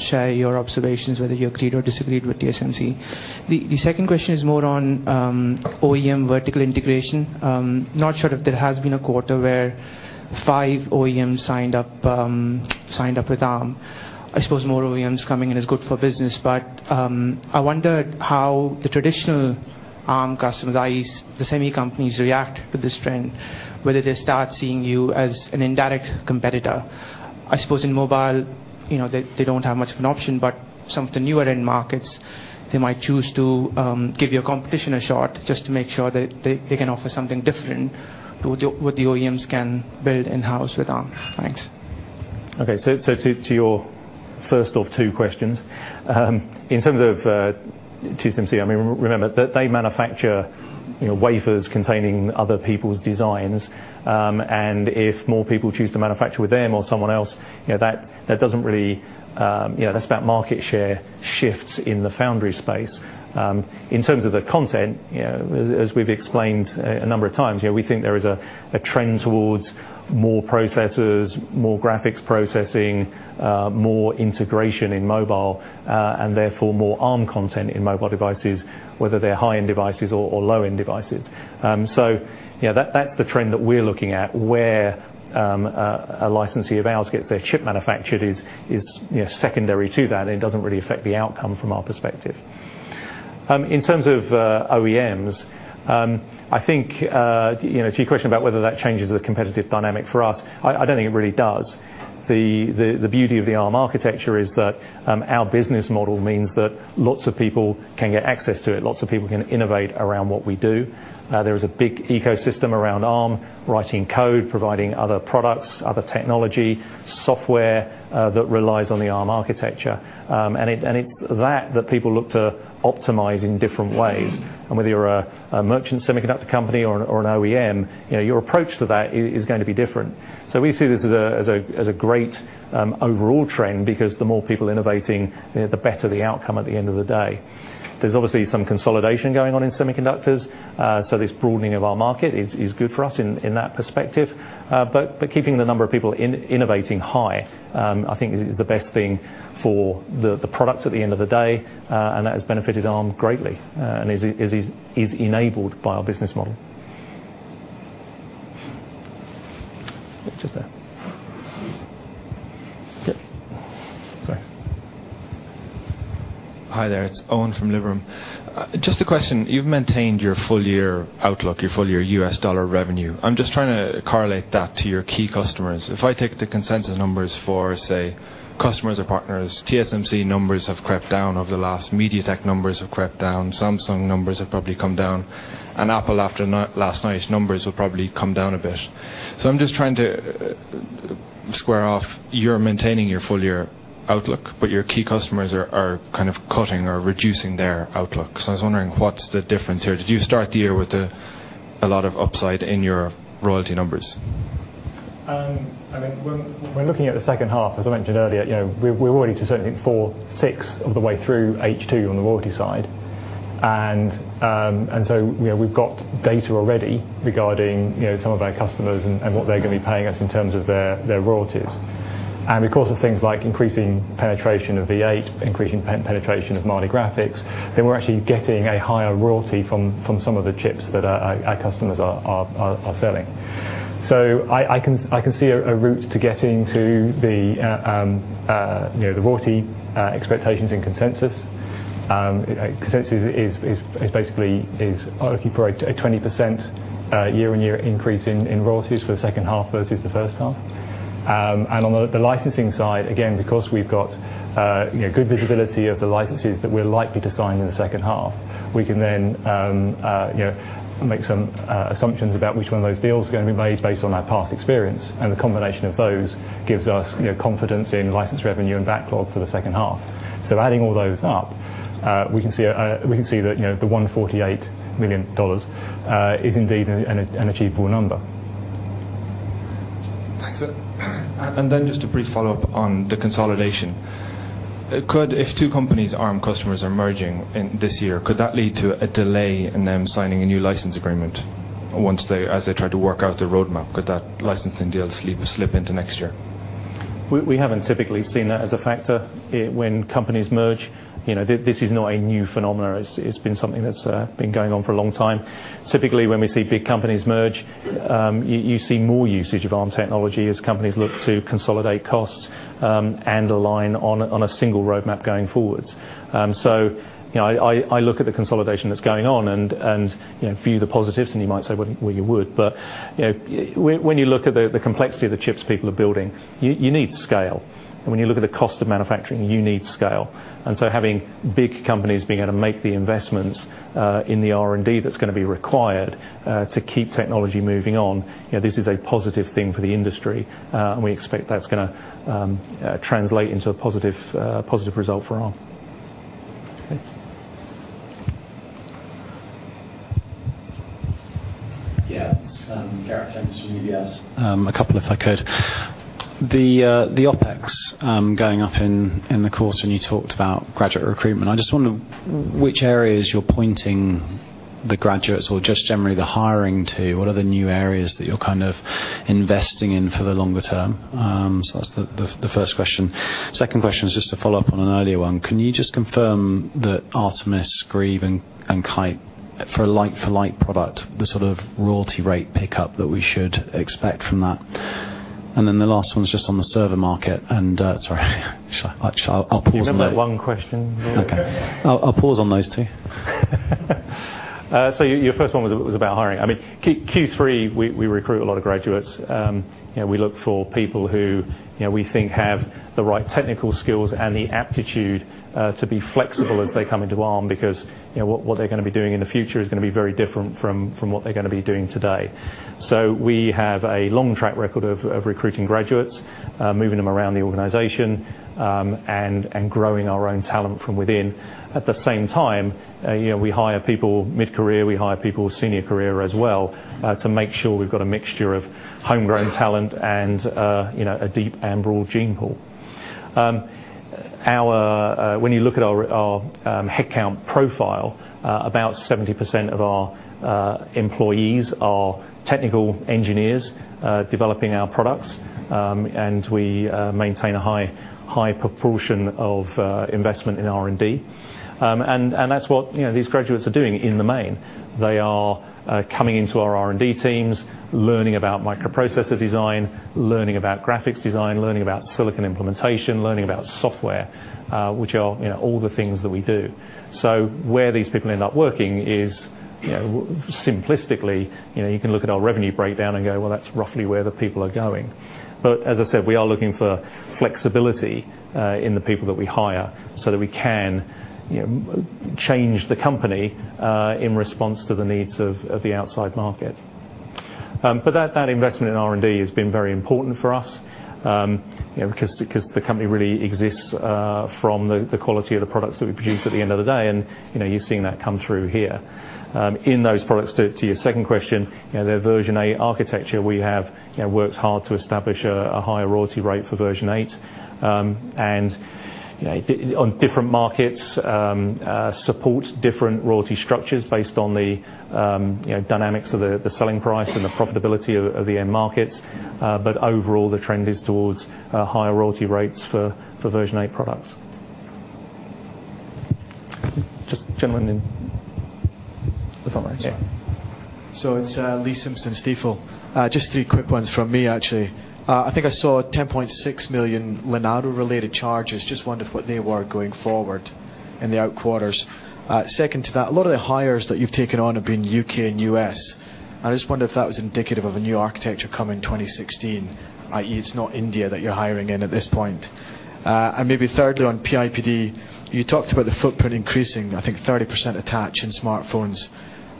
share your observations, whether you agreed or disagreed with TSMC. The second question is more on OEM vertical integration. Not sure if there has been a quarter where five OEMs signed up with Arm. I suppose more OEMs coming in is good for business, I wondered how the traditional Arm customers, i.e., the semi companies, react to this trend, whether they start seeing you as an indirect competitor. I suppose in mobile, they don't have much of an option, but some of the newer end markets, they might choose to give your competition a shot just to make sure that they can offer something different with what the OEMs can build in-house with Arm. Thanks. Okay. To your first of two questions. In terms of TSMC, remember that they manufacture wafers containing other people's designs, and if more people choose to manufacture with them or someone else, that's about market share shifts in the foundry space. In terms of the content, as we've explained a number of times, we think there is a trend towards more processors, more graphics processing, more integration in mobile, and therefore more Arm content in mobile devices, whether they're high-end devices or low-end devices. That's the trend that we're looking at, where a licensee of ours gets their chip manufactured is secondary to that, and it doesn't really affect the outcome from our perspective. In terms of OEMs, I think to your question about whether that changes the competitive dynamic for us, I don't think it really does. The beauty of the Arm architecture is that our business model means that lots of people can get access to it. Lots of people can innovate around what we do. There is a big ecosystem around Arm, writing code, providing other products, other technology, software that relies on the Arm architecture. It's that that people look to optimize in different ways. Whether you're a merchant semiconductor company or an OEM, your approach to that is going to be different. We see this as a great overall trend because the more people innovating, the better the outcome at the end of the day. There's obviously some consolidation going on in semiconductors. This broadening of our market is good for us in that perspective. Keeping the number of people innovating high, I think is the best thing for the product at the end of the day. That has benefited Arm greatly and is enabled by our business model. Just there. Yep. Sorry. Hi there. It's Eoin from Liberum. Just a question. You've maintained your full year outlook, your full year US dollar revenue. I'm just trying to correlate that to your key customers. If I take the consensus numbers for, say, customers or partners, TSMC numbers have crept down over the last, MediaTek numbers have crept down, Samsung numbers have probably come down, and Apple after last night's numbers will probably come down a bit. I'm just trying to square off, you're maintaining your full year outlook, but your key customers are kind of cutting or reducing their outlook. I was wondering, what's the difference here? Did you start the year with a lot of upside in your royalty numbers? When looking at the second half, as I mentioned earlier, we're already to certainly four sixths of the way through H2 on the royalty side. We've got data already regarding some of our customers and what they're going to be paying us in terms of their royalties. Because of things like increasing penetration of v8, increasing penetration of Mali graphics, then we're actually getting a higher royalty from some of the chips that our customers are selling. I can see a route to getting to the royalty expectations and consensus. Consensus is basically looking for a 20% year-on-year increase in royalties for the second half versus the first half. On the licensing side, again, because we've got good visibility of the licenses that we're likely to sign in the second half, we can then make some assumptions about which one of those deals are going to be made based on our past experience. The combination of those gives us confidence in license revenue and backlog for the second half. Adding all those up, we can see the $1.48 million is indeed an achievable number. Thanks. Then just a brief follow-up on the consolidation. If two companies, Arm customers, are merging this year, could that lead to a delay in them signing a new license agreement as they try to work out their roadmap? Could that licensing deal slip into next year? We haven't typically seen that as a factor when companies merge. This is not a new phenomenon. It's been something that's been going on for a long time. Typically, when we see big companies merge, you see more usage of Arm technology as companies look to consolidate costs and align on a single roadmap going forwards. I look at the consolidation that's going on and view the positives, and you might say, "Well, you would," but when you look at the complexity of the chips people are building, you need scale. When you look at the cost of manufacturing, you need scale. Having big companies being able to make the investments in the R&D that's going to be required to keep technology moving on, this is a positive thing for the industry. We expect that's going to translate into a positive result for Arm. Thanks. Yeah. It's Gareth Jones from UBS. A couple if I could. The OpEx going up in the course when you talked about graduate recruitment. I just wonder which areas you're pointing the graduates or just generally the hiring to. What are the new areas that you're kind of investing in for the longer term? That's the first question. Second question is just to follow up on an earlier one. Can you just confirm that Artemis, Greeve, and Kite, for like product, the sort of royalty rate pickup that we should expect from that? The last one is just on the server market and sorry. Actually, I'll pause on that. You remember that one question? Okay. I'll pause on those two. Your first one was about hiring. I mean, Q3, we recruit a lot of graduates. We look for people who we think have the right technical skills and the aptitude to be flexible as they come into Arm because what they're going to be doing in the future is going to be very different from what they're going to be doing today. We have a long track record of recruiting graduates, moving them around the organization, and growing our own talent from within. At the same time, we hire people mid-career, we hire people senior career as well, to make sure we've got a mixture of homegrown talent and a deep and broad gene pool. When you look at our headcount profile, about 70% of our employees are technical engineers developing our products, and we maintain a high proportion of investment in R&D. That's what these graduates are doing in the main. They are coming into our R&D teams, learning about microprocessor design, learning about graphics design, learning about silicon implementation, learning about software which are all the things that we do. Where these people end up working is simplistically, you can look at our revenue breakdown and go, "Well, that's roughly where the people are going." As I said, we are looking for flexibility in the people that we hire so that we can change the company in response to the needs of the outside market. That investment in R&D has been very important for us, because the company really exists from the quality of the products that we produce at the end of the day, and you've seen that come through here. In those products, to your second question, their v8 architecture, we have worked hard to establish a higher royalty rate for v8. On different markets, support different royalty structures based on the dynamics of the selling price and the profitability of the end markets. Overall, the trend is towards higher royalty rates for v8 products. Just gentleman in the front there, sorry. Yeah. It's Lee Simpson, Stifel. Just three quick ones from me, actually. I think I saw 10.6 million Linaro related charges. Just wondered what they were going forward in the out quarters. Second to that, a lot of the hires that you've taken on have been U.K. and U.S. I just wondered if that was indicative of a new architecture coming 2016, i.e., it's not India that you're hiring in at this point. Maybe thirdly, on PIPD, you talked about the footprint increasing, I think 30% attach in smartphones.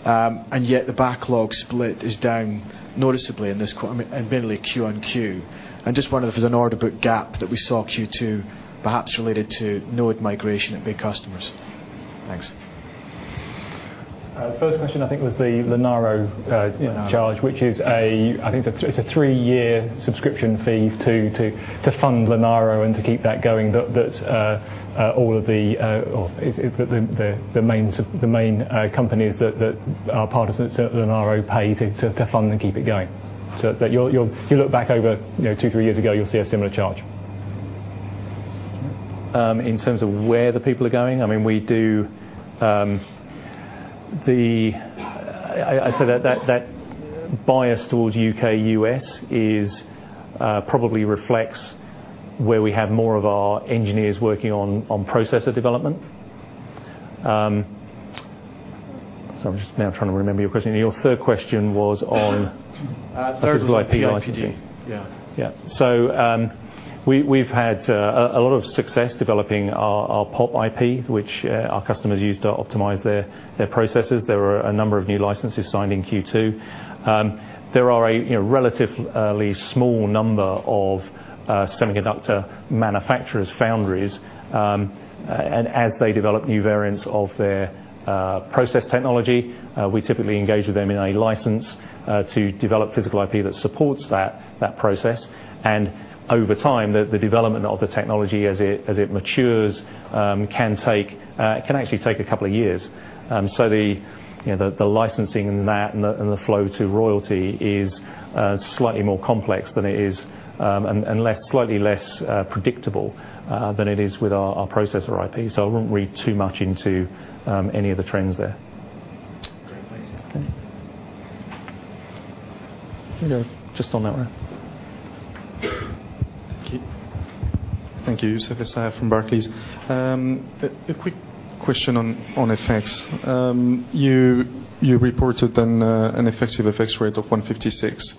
Yet the backlog split is down noticeably in this quarter and mainly Q1 Q. I just wondered if there's an order book gap that we saw Q2 perhaps related to node migration at big customers. Thanks. First question, I think was the Linaro charge- Linaro, yeah Which is I think it's a three-year subscription fee to fund Linaro and to keep that going. The main companies that are partners at Linaro pay to fund and keep it going. If you look back over two, three years ago, you'll see a similar charge. In terms of where the people are going, I'd say that bias towards U.K., U.S. probably reflects where we have more of our engineers working on processor development. Sorry, I'm just now trying to remember your question. Your third question was on physical IP licensing. Third was PIPD. Yeah. We've had a lot of success developing our POP IP, which our customers use to optimize their processes. There were a number of new licenses signed in Q2. There are a relatively small number of semiconductor manufacturers, foundries. As they develop new variants of their process technology, we typically engage with them in a license to develop physical IP that supports that process. Over time, the development of the technology as it matures can actually take a couple of years. The licensing and that and the flow to royalty is slightly more complex than it is, and slightly less predictable than it is with our processor IP. I wouldn't read too much into any of the trends there. Great. Thanks. Here we go. Just on that one. Thank you. Jerome Ramel from Barclays. A quick question on effects. You reported on an effective effects rate of 156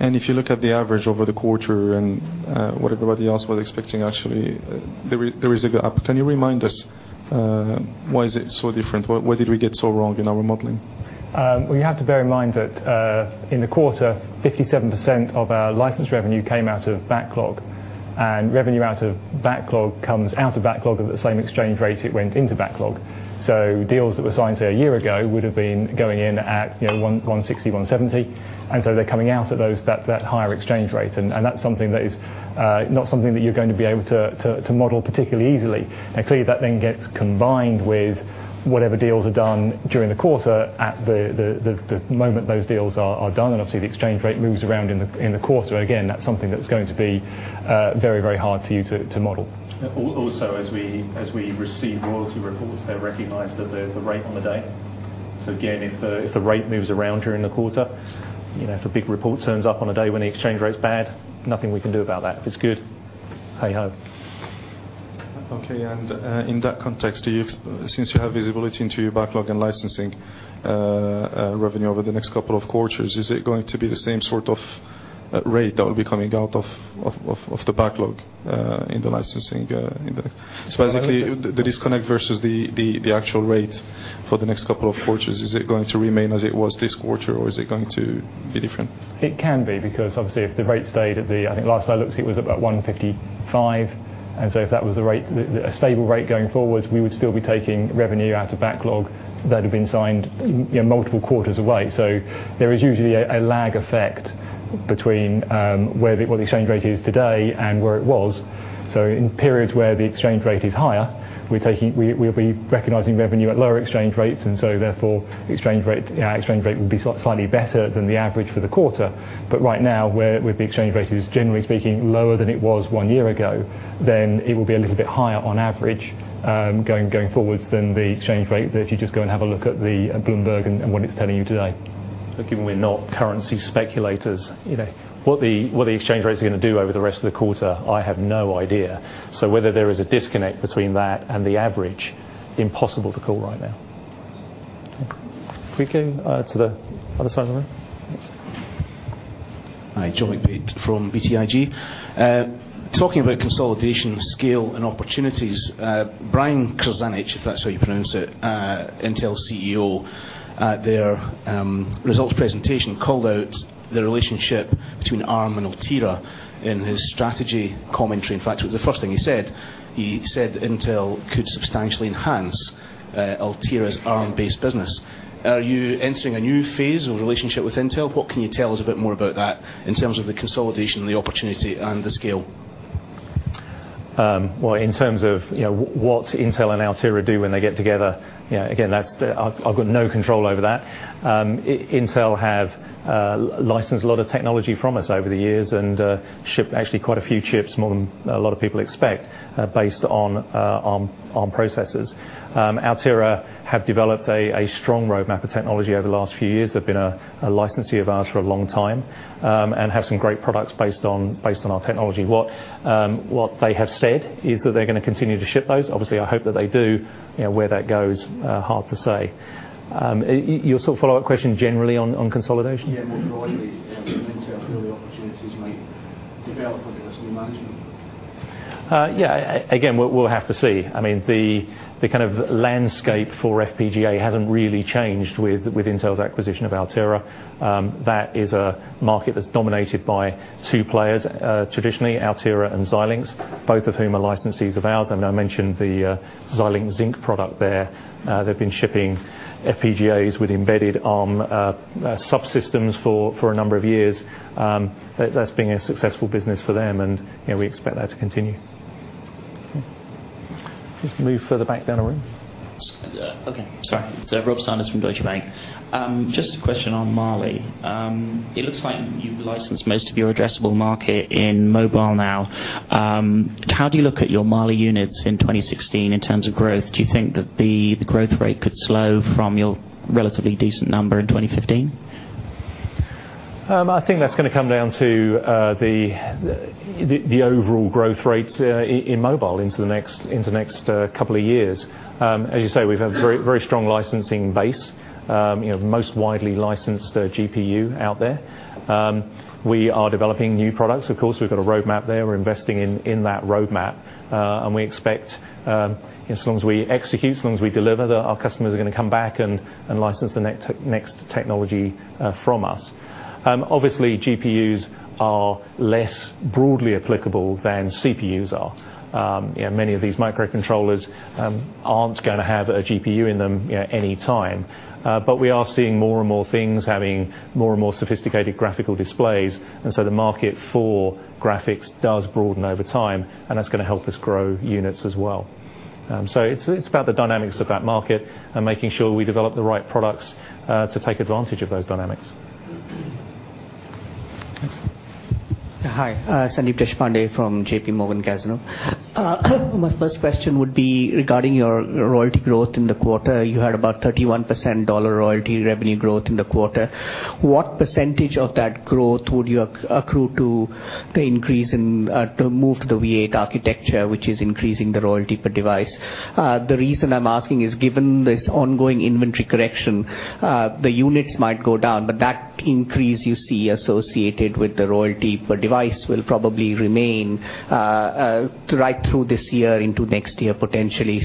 If you look at the average over the quarter and what everybody else was expecting, actually, there is a gap. Can you remind us why is it so different? Where did we get so wrong in our modeling? Well, you have to bear in mind that in the quarter, 57% of our license revenue came out of backlog, and revenue out of backlog comes out of backlog at the same exchange rate it went into backlog. Deals that were signed, say, a year ago, would've been going in at 160, 170, and so they're coming out at that higher exchange rate. That is not something that you're going to be able to model particularly easily. Clearly that then gets combined with whatever deals are done during the quarter at the moment those deals are done. Obviously, the exchange rate moves around in the quarter. Again, that's something that's going to be very hard for you to model. Also, as we receive royalty reports, they're recognized at the rate on the day. Again, if the rate moves around during the quarter, if a big report turns up on a day when the exchange rate's bad, nothing we can do about that. If it's good, hey ho. Okay. In that context, since you have visibility into your backlog and licensing revenue over the next couple of quarters, is it going to be the same sort of rate that will be coming out of the backlog in the licensing index? Basically, the disconnect versus the actual rate for the next couple of quarters, is it going to remain as it was this quarter, or is it going to be different? It can be, because obviously, if the rate stayed at, I think last I looked, it was about 155. If that was a stable rate going forward, we would still be taking revenue out of backlog that had been signed multiple quarters away. There is usually a lag effect between where the exchange rate is today and where it was. In periods where the exchange rate is higher, we'll be recognizing revenue at lower exchange rates, therefore, our exchange rate will be slightly better than the average for the quarter. Right now, where the exchange rate is, generally speaking, lower than it was 1 year ago, then it will be a little bit higher on average, going forward than the exchange rate, that if you just go and have a look at the Bloomberg and what it's telling you today. Given we're not currency speculators, what the exchange rate's going to do over the rest of the quarter, I have no idea. Whether there is a disconnect between that and the average, impossible to call right now. Okay. If we came to the other side of the room. Hi. Johnny Pate from BTIG. Talking about consolidation, scale, and opportunities, Brian Krzanich, if that's how you pronounce it, Intel CEO, at their results presentation, called out the relationship between Arm and Altera in his strategy commentary. In fact, it was the first thing he said. He said Intel could substantially enhance Altera's Arm-based business. Are you entering a new phase of relationship with Intel? What can you tell us a bit more about that in terms of the consolidation, the opportunity, and the scale? Well, in terms of what Intel and Altera do when they get together, again, I've got no control over that. Intel have licensed a lot of technology from us over the years and shipped actually quite a few chips, more than a lot of people expect based on Arm processors. Altera have developed a strong roadmap of technology over the last few years. They've been a licensee of ours for a long time and have some great products based on our technology. What they have said is that they're going to continue to ship those. Obviously, I hope that they do. Where that goes, hard to say. Your sort of follow-up question generally on consolidation? Yeah, more broadly. Intel, clearly opportunities might develop with the rest of the management. Yeah. We'll have to see. The kind of landscape for FPGA hasn't really changed with Intel's acquisition of Altera. That is a market that's dominated by two players, traditionally, Altera and Xilinx, both of whom are licensees of ours. I know I mentioned the Xilinx Zynq product there. They've been shipping FPGAs with embedded Arm subsystems for a number of years. That's been a successful business for them, and we expect that to continue. Just move further back down the room. Okay. Sorry. Robert Sanders from Deutsche Bank. Just a question on Mali. It looks like you've licensed most of your addressable market in mobile now. How do you look at your Mali units in 2016 in terms of growth? Do you think that the growth rate could slow from your relatively decent number in 2015? I think that's going to come down to the overall growth rates in mobile into the next couple of years. As you say, we've a very strong licensing base, most widely licensed GPU out there. We are developing new products. Of course, we've got a roadmap there. We're investing in that roadmap. We expect as long as we execute, as long as we deliver, that our customers are going to come back and license the next technology from us. Obviously, GPUs are less broadly applicable than CPUs are. Many of these microcontrollers aren't going to have a GPU in them any time. We are seeing more and more things having more and more sophisticated graphical displays, the market for graphics does broaden over time, and that's going to help us grow units as well. It's about the dynamics of that market and making sure we develop the right products to take advantage of those dynamics. Hi. Sandeep Deshpande from J.P. Morgan Cazenove. My first question would be regarding your royalty growth in the quarter. You had about 31% $ royalty revenue growth in the quarter. What percentage of that growth would you accrue to the move to the v8 architecture, which is increasing the royalty per device? The reason I'm asking is, given this ongoing inventory correction, the units might go down, but that increase you see associated with the royalty per device will probably remain right through this year into next year, potentially.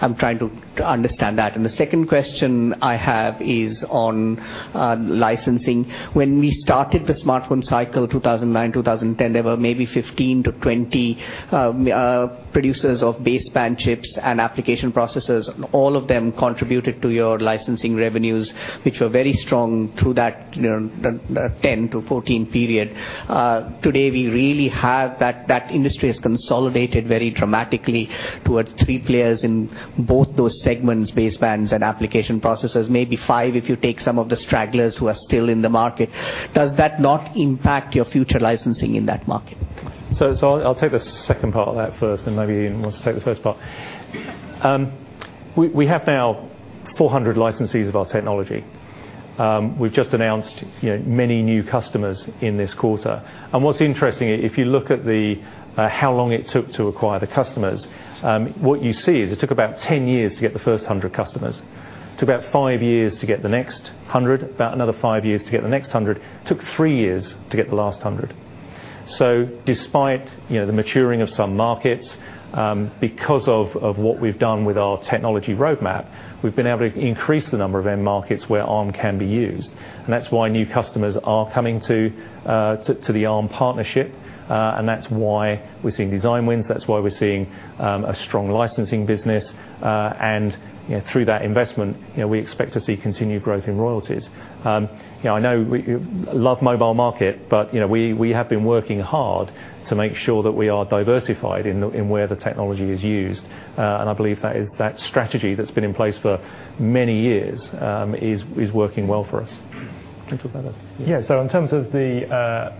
I'm trying to understand that. The second question I have is on licensing. When we started the smartphone cycle, 2009, 2010, there were maybe 15-20 producers of baseband chips and application processors. All of them contributed to your licensing revenues, which were very strong through that 2010-2014 period. Today, That industry has consolidated very dramatically towards 3 players in both those segments, basebands and application processors, maybe 5, if you take some of the stragglers who are still in the market. Does that not impact your future licensing in that market? I'll take the second part of that first, and maybe Ian wants to take the first part. We have now 400 licensees of our technology. We've just announced many new customers in this quarter. What's interesting, if you look at how long it took to acquire the customers, what you see is it took about 10 years to get the first 100 customers. It took about five years to get the next 100. About another five years to get the next 100. Took three years to get the last 100. Despite the maturing of some markets, because of what we've done with our technology roadmap, we've been able to increase the number of end markets where Arm can be used. That's why new customers are coming to the Arm partnership. That's why we're seeing design wins. That's why we're seeing a strong licensing business. Through that investment, we expect to see continued growth in royalties. I know we love mobile market, but we have been working hard to make sure that we are diversified in where the technology is used. I believe that is that strategy that's been in place for many years, is working well for us. Do you want to talk about that? Yeah. In terms of the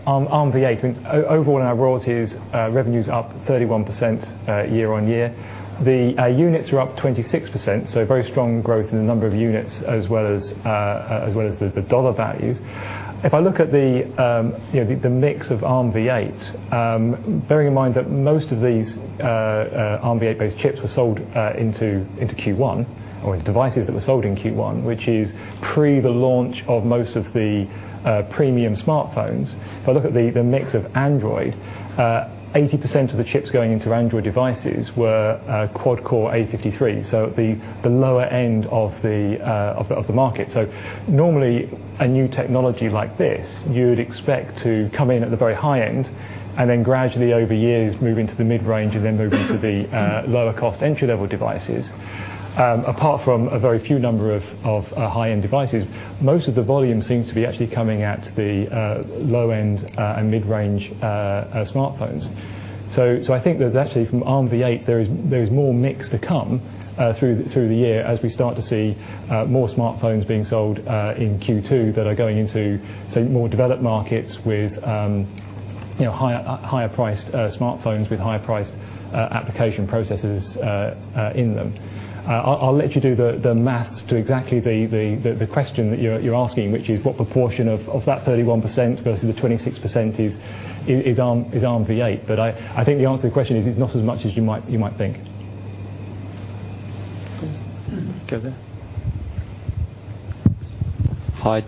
Arm v8, overall in our royalties revenues are up 31% year-over-year. The units are up 26%. Very strong growth in the number of units as well as the dollar values. If I look at the mix of Arm v8, bearing in mind that most of these Arm v8-based chips were sold into Q1, or devices that were sold in Q1, which is pre the launch of most of the premium smartphones. If I look at the mix of Android, 80% of the chips going into Android devices were quad-core A53, so the lower end of the market. Normally, a new technology like this, you would expect to come in at the very high end and then gradually over years, move into the mid-range and then move into the lower cost entry-level devices. Apart from a very few number of high-end devices, most of the volume seems to be actually coming out to the low end and mid-range smartphones. I think that actually from Arm v8, there is more mix to come through the year as we start to see more smartphones being sold in Q2 that are going into more developed markets with higher priced smartphones with higher priced application processors in them. I'll let you do the math to exactly the question that you're asking, which is what proportion of that 31% versus the 26% is Arm v8. I think the answer to the question is, it's not as much as you might think. Go there. Hi.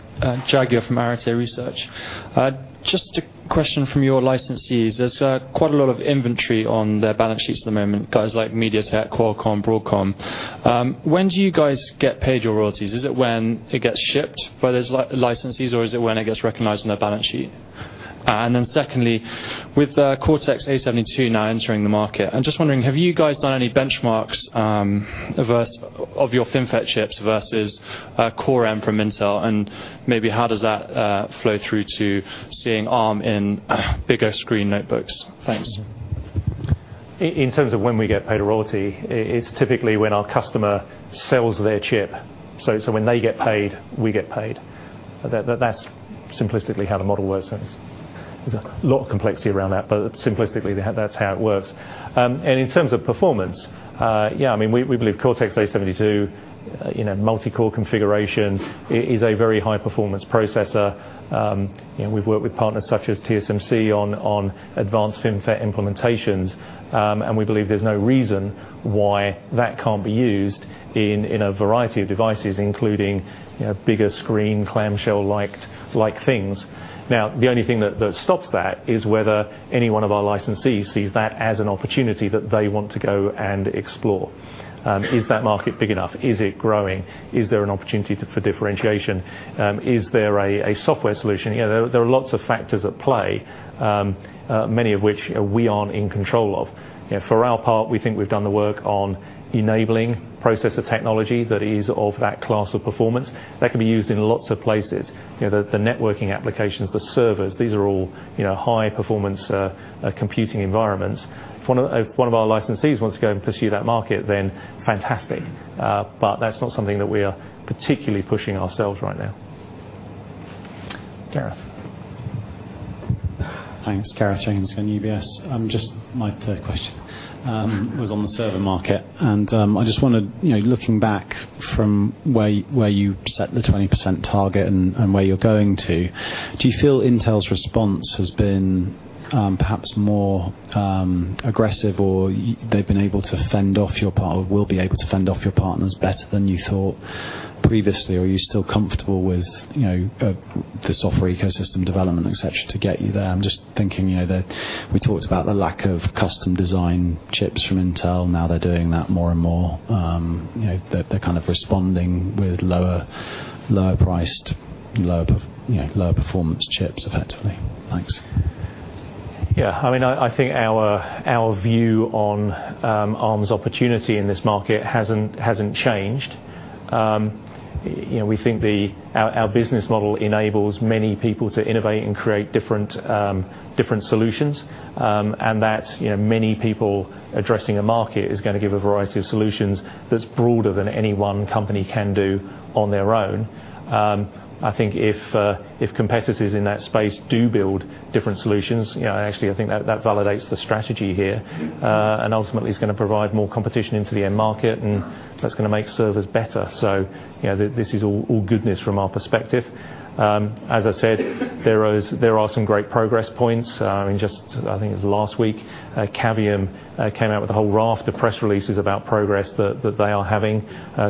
Jag here from Arete Research. Just a question from your licensees. There's quite a lot of inventory on their balance sheets at the moment, guys like MediaTek, Qualcomm, Broadcom. When do you guys get paid your royalties? Is it when it gets shipped by those licensees, or is it when it gets recognized on their balance sheet? Then secondly, with Cortex-A72 now entering the market, I'm just wondering, have you guys done any benchmarks of your FinFET chips versus Core M from Intel? Maybe how does that flow through to seeing Arm in bigger screen notebooks? Thanks. In terms of when we get paid a royalty, it's typically when our customer sells their chip. When they get paid, we get paid. That's simplistically how the model works. There's a lot of complexity around that, but simplistically, that's how it works. In terms of performance, yeah, we believe Cortex-A72 in a multi-core configuration is a very high-performance processor. We've worked with partners such as TSMC on advanced FinFET implementations. We believe there's no reason why that can't be used in a variety of devices, including bigger screen clamshell-like things. Now, the only thing that stops that is whether any one of our licensees sees that as an opportunity that they want to go and explore. Is that market big enough? Is it growing? Is there an opportunity for differentiation? Is there a software solution? There are lots of factors at play, many of which we aren't in control of. For our part, we think we've done the work on enabling processor technology that is of that class of performance. That can be used in lots of places. The networking applications, the servers, these are all high-performance computing environments. If one of our licensees wants to go and pursue that market, then fantastic. But that's not something that we are particularly pushing ourselves right now. Gareth. Thanks. Gareth Jenkins from UBS. My third question was on the server market. I just wanted, looking back from where you set the 20% target and where you are going to, do you feel Intel's response has been perhaps more aggressive, or they have been able to fend off your partner, or will be able to fend off your partners better than you thought previously? Are you still comfortable with the software ecosystem development, et cetera, to get you there? I am just thinking that we talked about the lack of custom design chips from Intel. They are doing that more and more. They are kind of responding with lower priced, lower performance chips effectively. Thanks. Yeah. I think our view on Arm's opportunity in this market hasn't changed. We think our business model enables many people to innovate and create different solutions. That many people addressing a market is going to give a variety of solutions that is broader than any one company can do on their own. I think if competitors in that space do build different solutions, actually I think that validates the strategy here. Ultimately, it is going to provide more competition into the end market, and that is going to make servers better. This is all goodness from our perspective. As I said, there are some great progress points. In just, I think it was last week, Cavium came out with a whole raft of press releases about progress that they are having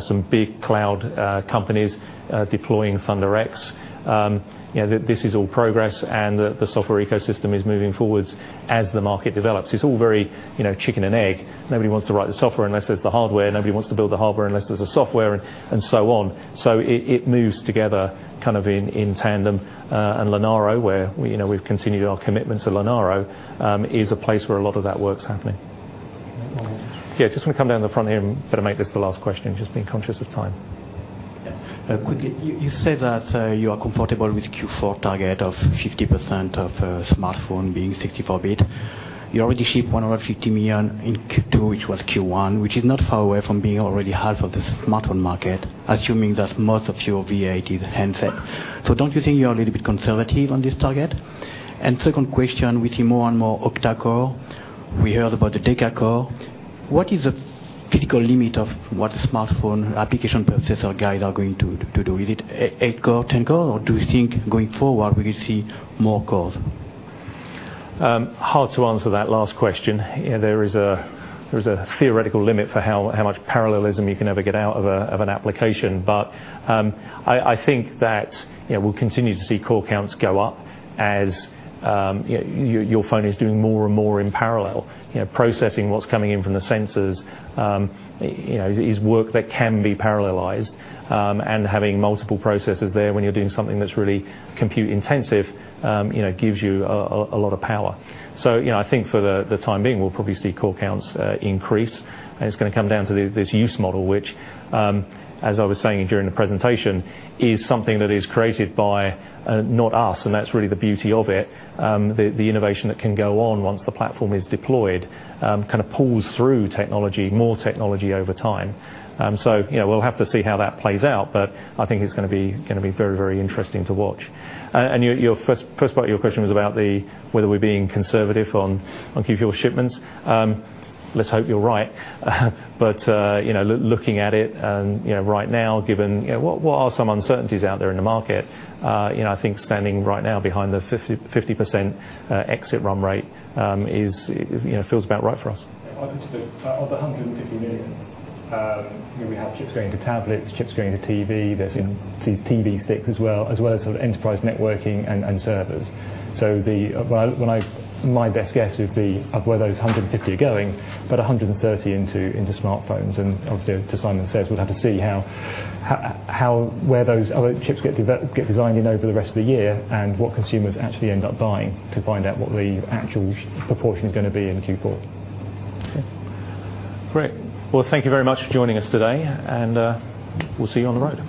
some big cloud companies deploying ThunderX. This is all progress, and the software ecosystem is moving forwards as the market develops. It is all very chicken and egg. Nobody wants to write the software unless there is the hardware. Nobody wants to build the hardware unless there is a software and so on. It moves together kind of in tandem. Linaro, where we have continued our commitment to Linaro, is a place where a lot of that work is happening. One more. just want to come down to the front here and better make this the last question, just being conscious of time. Quickly, you said that you are comfortable with Q4 target of 50% of smartphone being 64-bit. You already ship 150 million in Q2, which was Q1, which is not far away from being already half of the smartphone market, assuming that most of your v8 is handset. Don't you think you're a little bit conservative on this target? Second question, we see more and more octa-core. We heard about the deca-core. What is the critical limit of what smartphone application processor guys are going to do? Is it 8 core, 10 core, or do you think going forward we could see more cores? Hard to answer that last question. There is a theoretical limit for how much parallelism you can ever get out of an application. I think that we'll continue to see core counts go up as your phone is doing more and more in parallel. Processing what's coming in from the sensors is work that can be parallelized. Having multiple processes there when you're doing something that's really compute intensive gives you a lot of power. I think for the time being, we'll probably see core counts increase, and it's going to come down to this use model which, as I was saying during the presentation, is something that is created by not us, and that's really the beauty of it. The innovation that can go on once the platform is deployed kind of pulls through more technology over time. We'll have to see how that plays out, but I think it's going to be very, very interesting to watch. Your first part of your question was about whether we're being conservative on Q4 shipments. Let's hope you're right. Looking at it right now, given what are some uncertainties out there in the market, I think standing right now behind the 50% exit run rate feels about right for us. Of the 150 million, we have chips going to tablets, chips going to TV, there's TV sticks as well, as well as enterprise networking and servers. My best guess would be of where those 150 are going, about 130 into smartphones and obviously to Simon says, we'll have to see where those other chips get designed in over the rest of the year and what consumers actually end up buying to find out what the actual proportion is going to be in Q4. Great. Well, thank you very much for joining us today, we'll see you on the road.